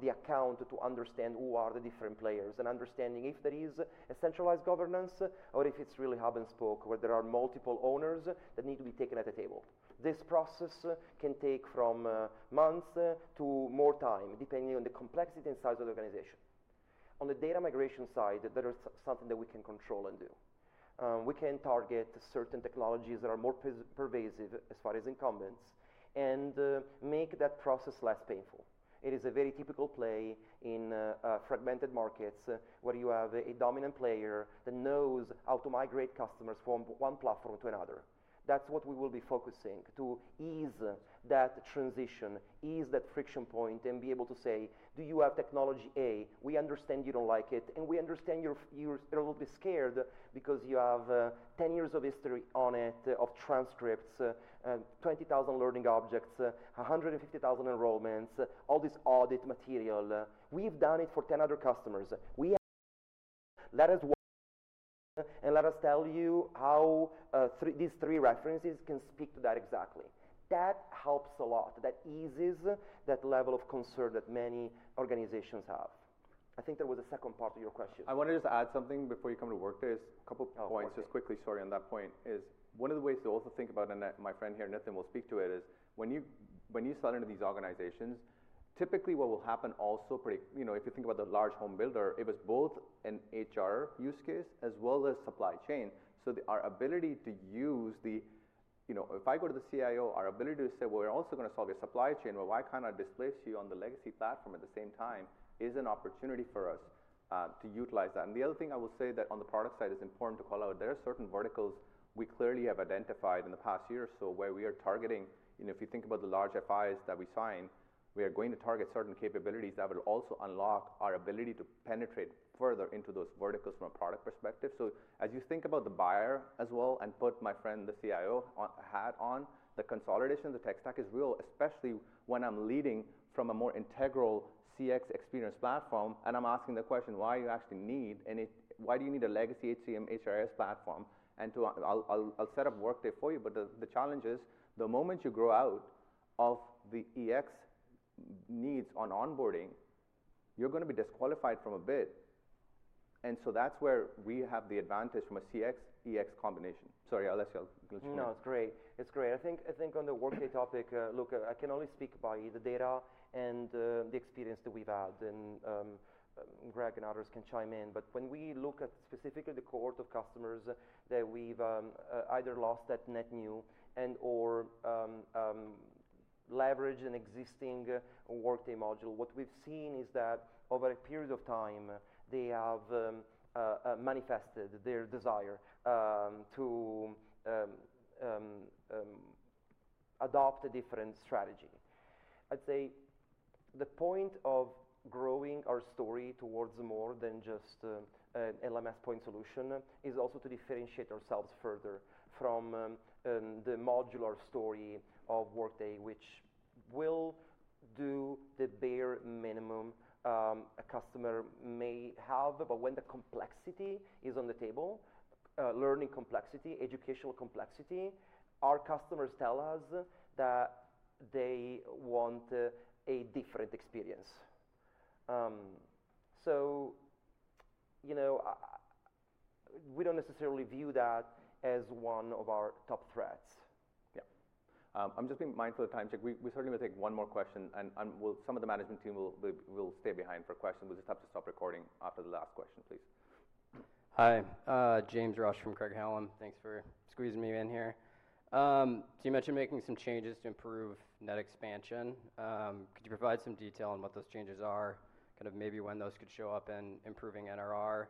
the account to understand who are the different players, and understanding if there is a centralized governance or if it's really hub and spoke, where there are multiple owners that need to be taken at the table. This process can take from months to more time, depending on the complexity and size of the organization. On the data migration side, that is something that we can control and do. We can target certain technologies that are more pervasive as far as incumbents, and make that process less painful. It is a very typical play in fragmented markets, where you have a dominant player that knows how to migrate customers from one platform to another. That's what we will be focusing, to ease that transition, ease that friction point, and be able to say: "Do you have technology A? We understand you don't like it, and we understand you're a little bit scared because you have 10 years of history on it, of transcripts, 20,000 learning objects, 150,000 enrollments, all this audit material. We've done it for 10 other customers. Let us, and let us tell you how these three references can speak to that exactly. That helps a lot. That eases that level of concern that many organizations have. I think there was a second part to your question. I wanted to just add something before you come to Workday. A couple points. Oh, Workday. Just quickly, sorry, on that point, is one of the ways to also think about, and that my friend here, Nathan, will speak to it, is when you sell into these organizations, typically what will happen also pretty... You know, if you think about the large home builder, it was both an HR use case as well as supply chain. So our ability to use the, you know, if I go to the CIO, our ability to say, "Well, we're also gonna solve your supply chain, well, why can't I displace you on the legacy platform at the same time?" is an opportunity for us to utilize that. The other thing I will say that on the product side is important to call out, there are certain verticals we clearly have identified in the past year or so, where we are targeting. You know, if you think about the large FIs that we sign, we are going to target certain capabilities that will also unlock our ability to penetrate further into those verticals from a product perspective. So as you think about the buyer as well, and put my friend, the CIO, hat on, the consolidation, the tech stack is real, especially when I'm leading from a more integral CX experience platform, and I'm asking the question, why you actually need any... Why do you need a legacy HCM, HRIS platform? And to, I'll set up Workday for you, but the challenge is, the moment you grow out of the EX needs on onboarding, you're gonna be disqualified from a bid. And so that's where we have the advantage from a CX, EX combination. Sorry, Alessio, go to you now. No, it's great. It's great. I think on the Workday topic, look, I can only speak about the data and the experience that we've had, and Greg and others can chime in. But when we look at specifically the cohort of customers that we've either lost at net new and/or leveraged an existing Workday module, what we've seen is that over a period of time, they have manifested their desire to adopt a different strategy. I'd say the point of growing our story towards more than just an LMS point solution is also to differentiate ourselves further from the modular story of Workday, which will do the bare minimum a customer may have. But when the complexity is on the table, learning complexity, educational complexity, our customers tell us that they want a different experience. So, you know, we don't necessarily view that as one of our top threats. Yeah. I'm just being mindful of the time check. We certainly will take one more question, and we'll, some of the management team will stay behind for questions. We'll just have to stop recording after the last question, please. Hi, James Rush from Craig-Hallum. Thanks for squeezing me in here. So you mentioned making some changes to improve net expansion. Could you provide some detail on what those changes are, kind of maybe when those could show up in improving NRR?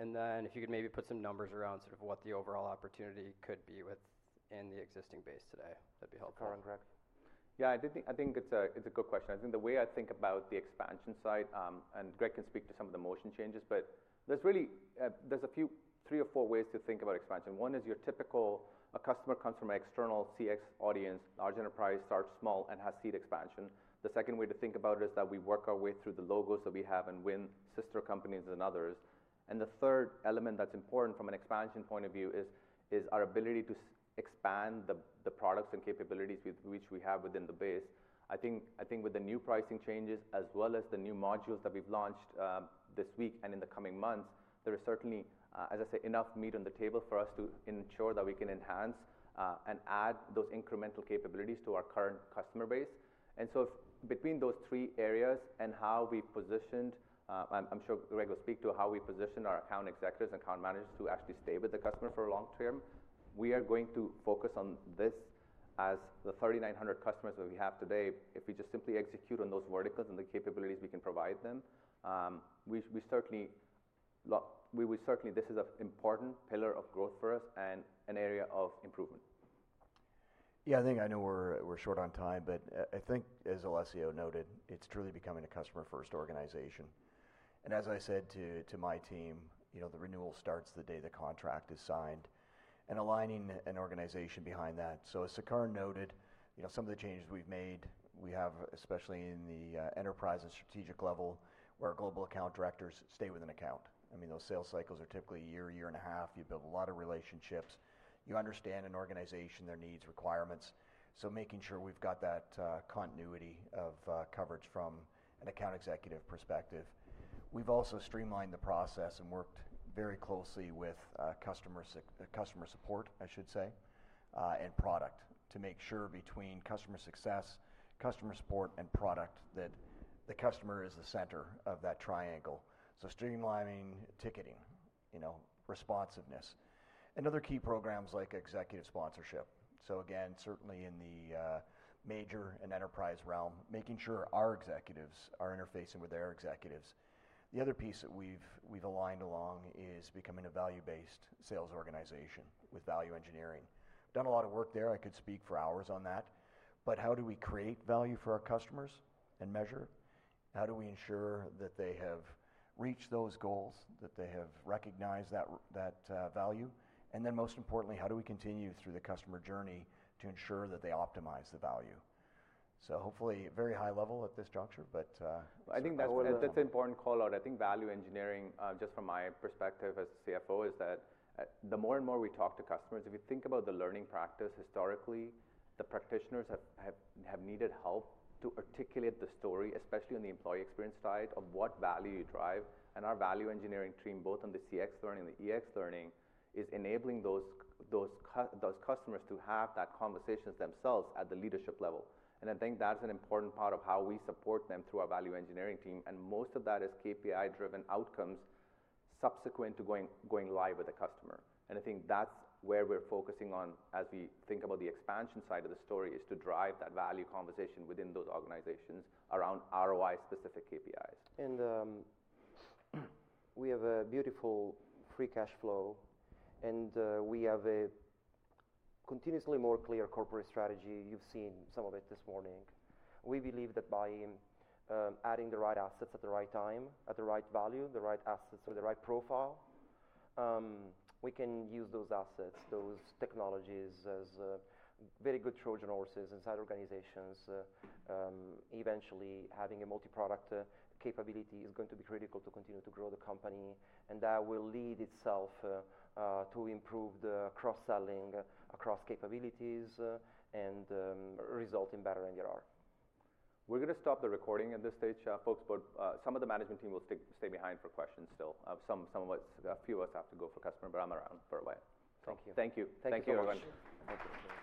And then if you could maybe put some numbers around sort of what the overall opportunity could be within the existing base today, that'd be helpful. Go on, Greg.... Yeah, I did think, I think it's a, it's a good question. I think the way I think about the expansion side, and Greg can speak to some of the motion changes, but there's really, there's a few, three or four ways to think about expansion. One is your typical, a customer comes from an external CX audience, large enterprise, starts small, and has seat expansion. The second way to think about it is that we work our way through the logos that we have and win sister companies and others. And the third element that's important from an expansion point of view is, is our ability to expand the, the products and capabilities with which we have within the base. I think, I think with the new pricing changes, as well as the new modules that we've launched this week and in the coming months, there is certainly, as I say, enough meat on the table for us to ensure that we can enhance and add those incremental capabilities to our current customer base. And so between those three areas and how we positioned, and I'm sure Greg will speak to how we positioned our account executives and account managers to actually stay with the customer for long term, we are going to focus on this as the thirty-nine hundred customers that we have today. If we just simply execute on those verticals and the capabilities we can provide them, we will certainly. This is an important pillar of growth for us and an area of improvement. Yeah, I think I know we're short on time, but I think as Alessio noted, it's truly becoming a customer-first organization. And as I said to my team, you know, the renewal starts the day the contract is signed, and aligning an organization behind that. So as Sukaran noted, you know, some of the changes we've made, we have, especially in the enterprise and strategic level, where our global account directors stay with an account. I mean, those sales cycles are typically a year, a year and a half. You build a lot of relationships. You understand an organization, their needs, requirements, so making sure we've got that continuity of coverage from an account executive perspective. We've also streamlined the process and worked very closely with customer support, I should say, and product, to make sure between customer success, customer support, and product, that the customer is the center of that triangle. So streamlining ticketing, you know, responsiveness, and other key programs like executive sponsorship. So again, certainly in the major and enterprise realm, making sure our executives are interfacing with their executives. The other piece that we've aligned along is becoming a value-based sales organization with value engineering. Done a lot of work there, I could speak for hours on that, but how do we create value for our customers and measure? How do we ensure that they have reached those goals, that they have recognized that value? And then, most importantly, how do we continue through the customer journey to ensure that they optimize the value? So hopefully, very high level at this juncture, but, I think that, that's an important call-out. I think value engineering, just from my perspective as the CFO, is that, the more and more we talk to customers, if you think about the learning practice historically, the practitioners have needed help to articulate the story, especially on the employee experience side, of what value you drive. And our value engineering team, both on the CX learning and the EX learning, is enabling those customers to have that conversation themselves at the leadership level. And I think that's an important part of how we support them through our value engineering team, and most of that is KPI-driven outcomes subsequent to going live with a customer. I think that's where we're focusing on as we think about the expansion side of the story, is to drive that value conversation within those organizations around ROI-specific KPIs. We have a beautiful free cash flow, and we have a continuously more clear corporate strategy. You've seen some of it this morning. We believe that by adding the right assets at the right time, at the right value, the right assets or the right profile, we can use those assets, those technologies, as very good Trojan horses inside organizations. Eventually, having a multi-product capability is going to be critical to continue to grow the company, and that will lead itself to improve the cross-selling across capabilities, and result in better NRR. We're going to stop the recording at this stage, folks, but some of the management team will stick, stay behind for questions still. Some of us, a few of us have to go for customer, but I'm around for a while. Thank you. Thank you. Thank you so much. Thank you, everyone.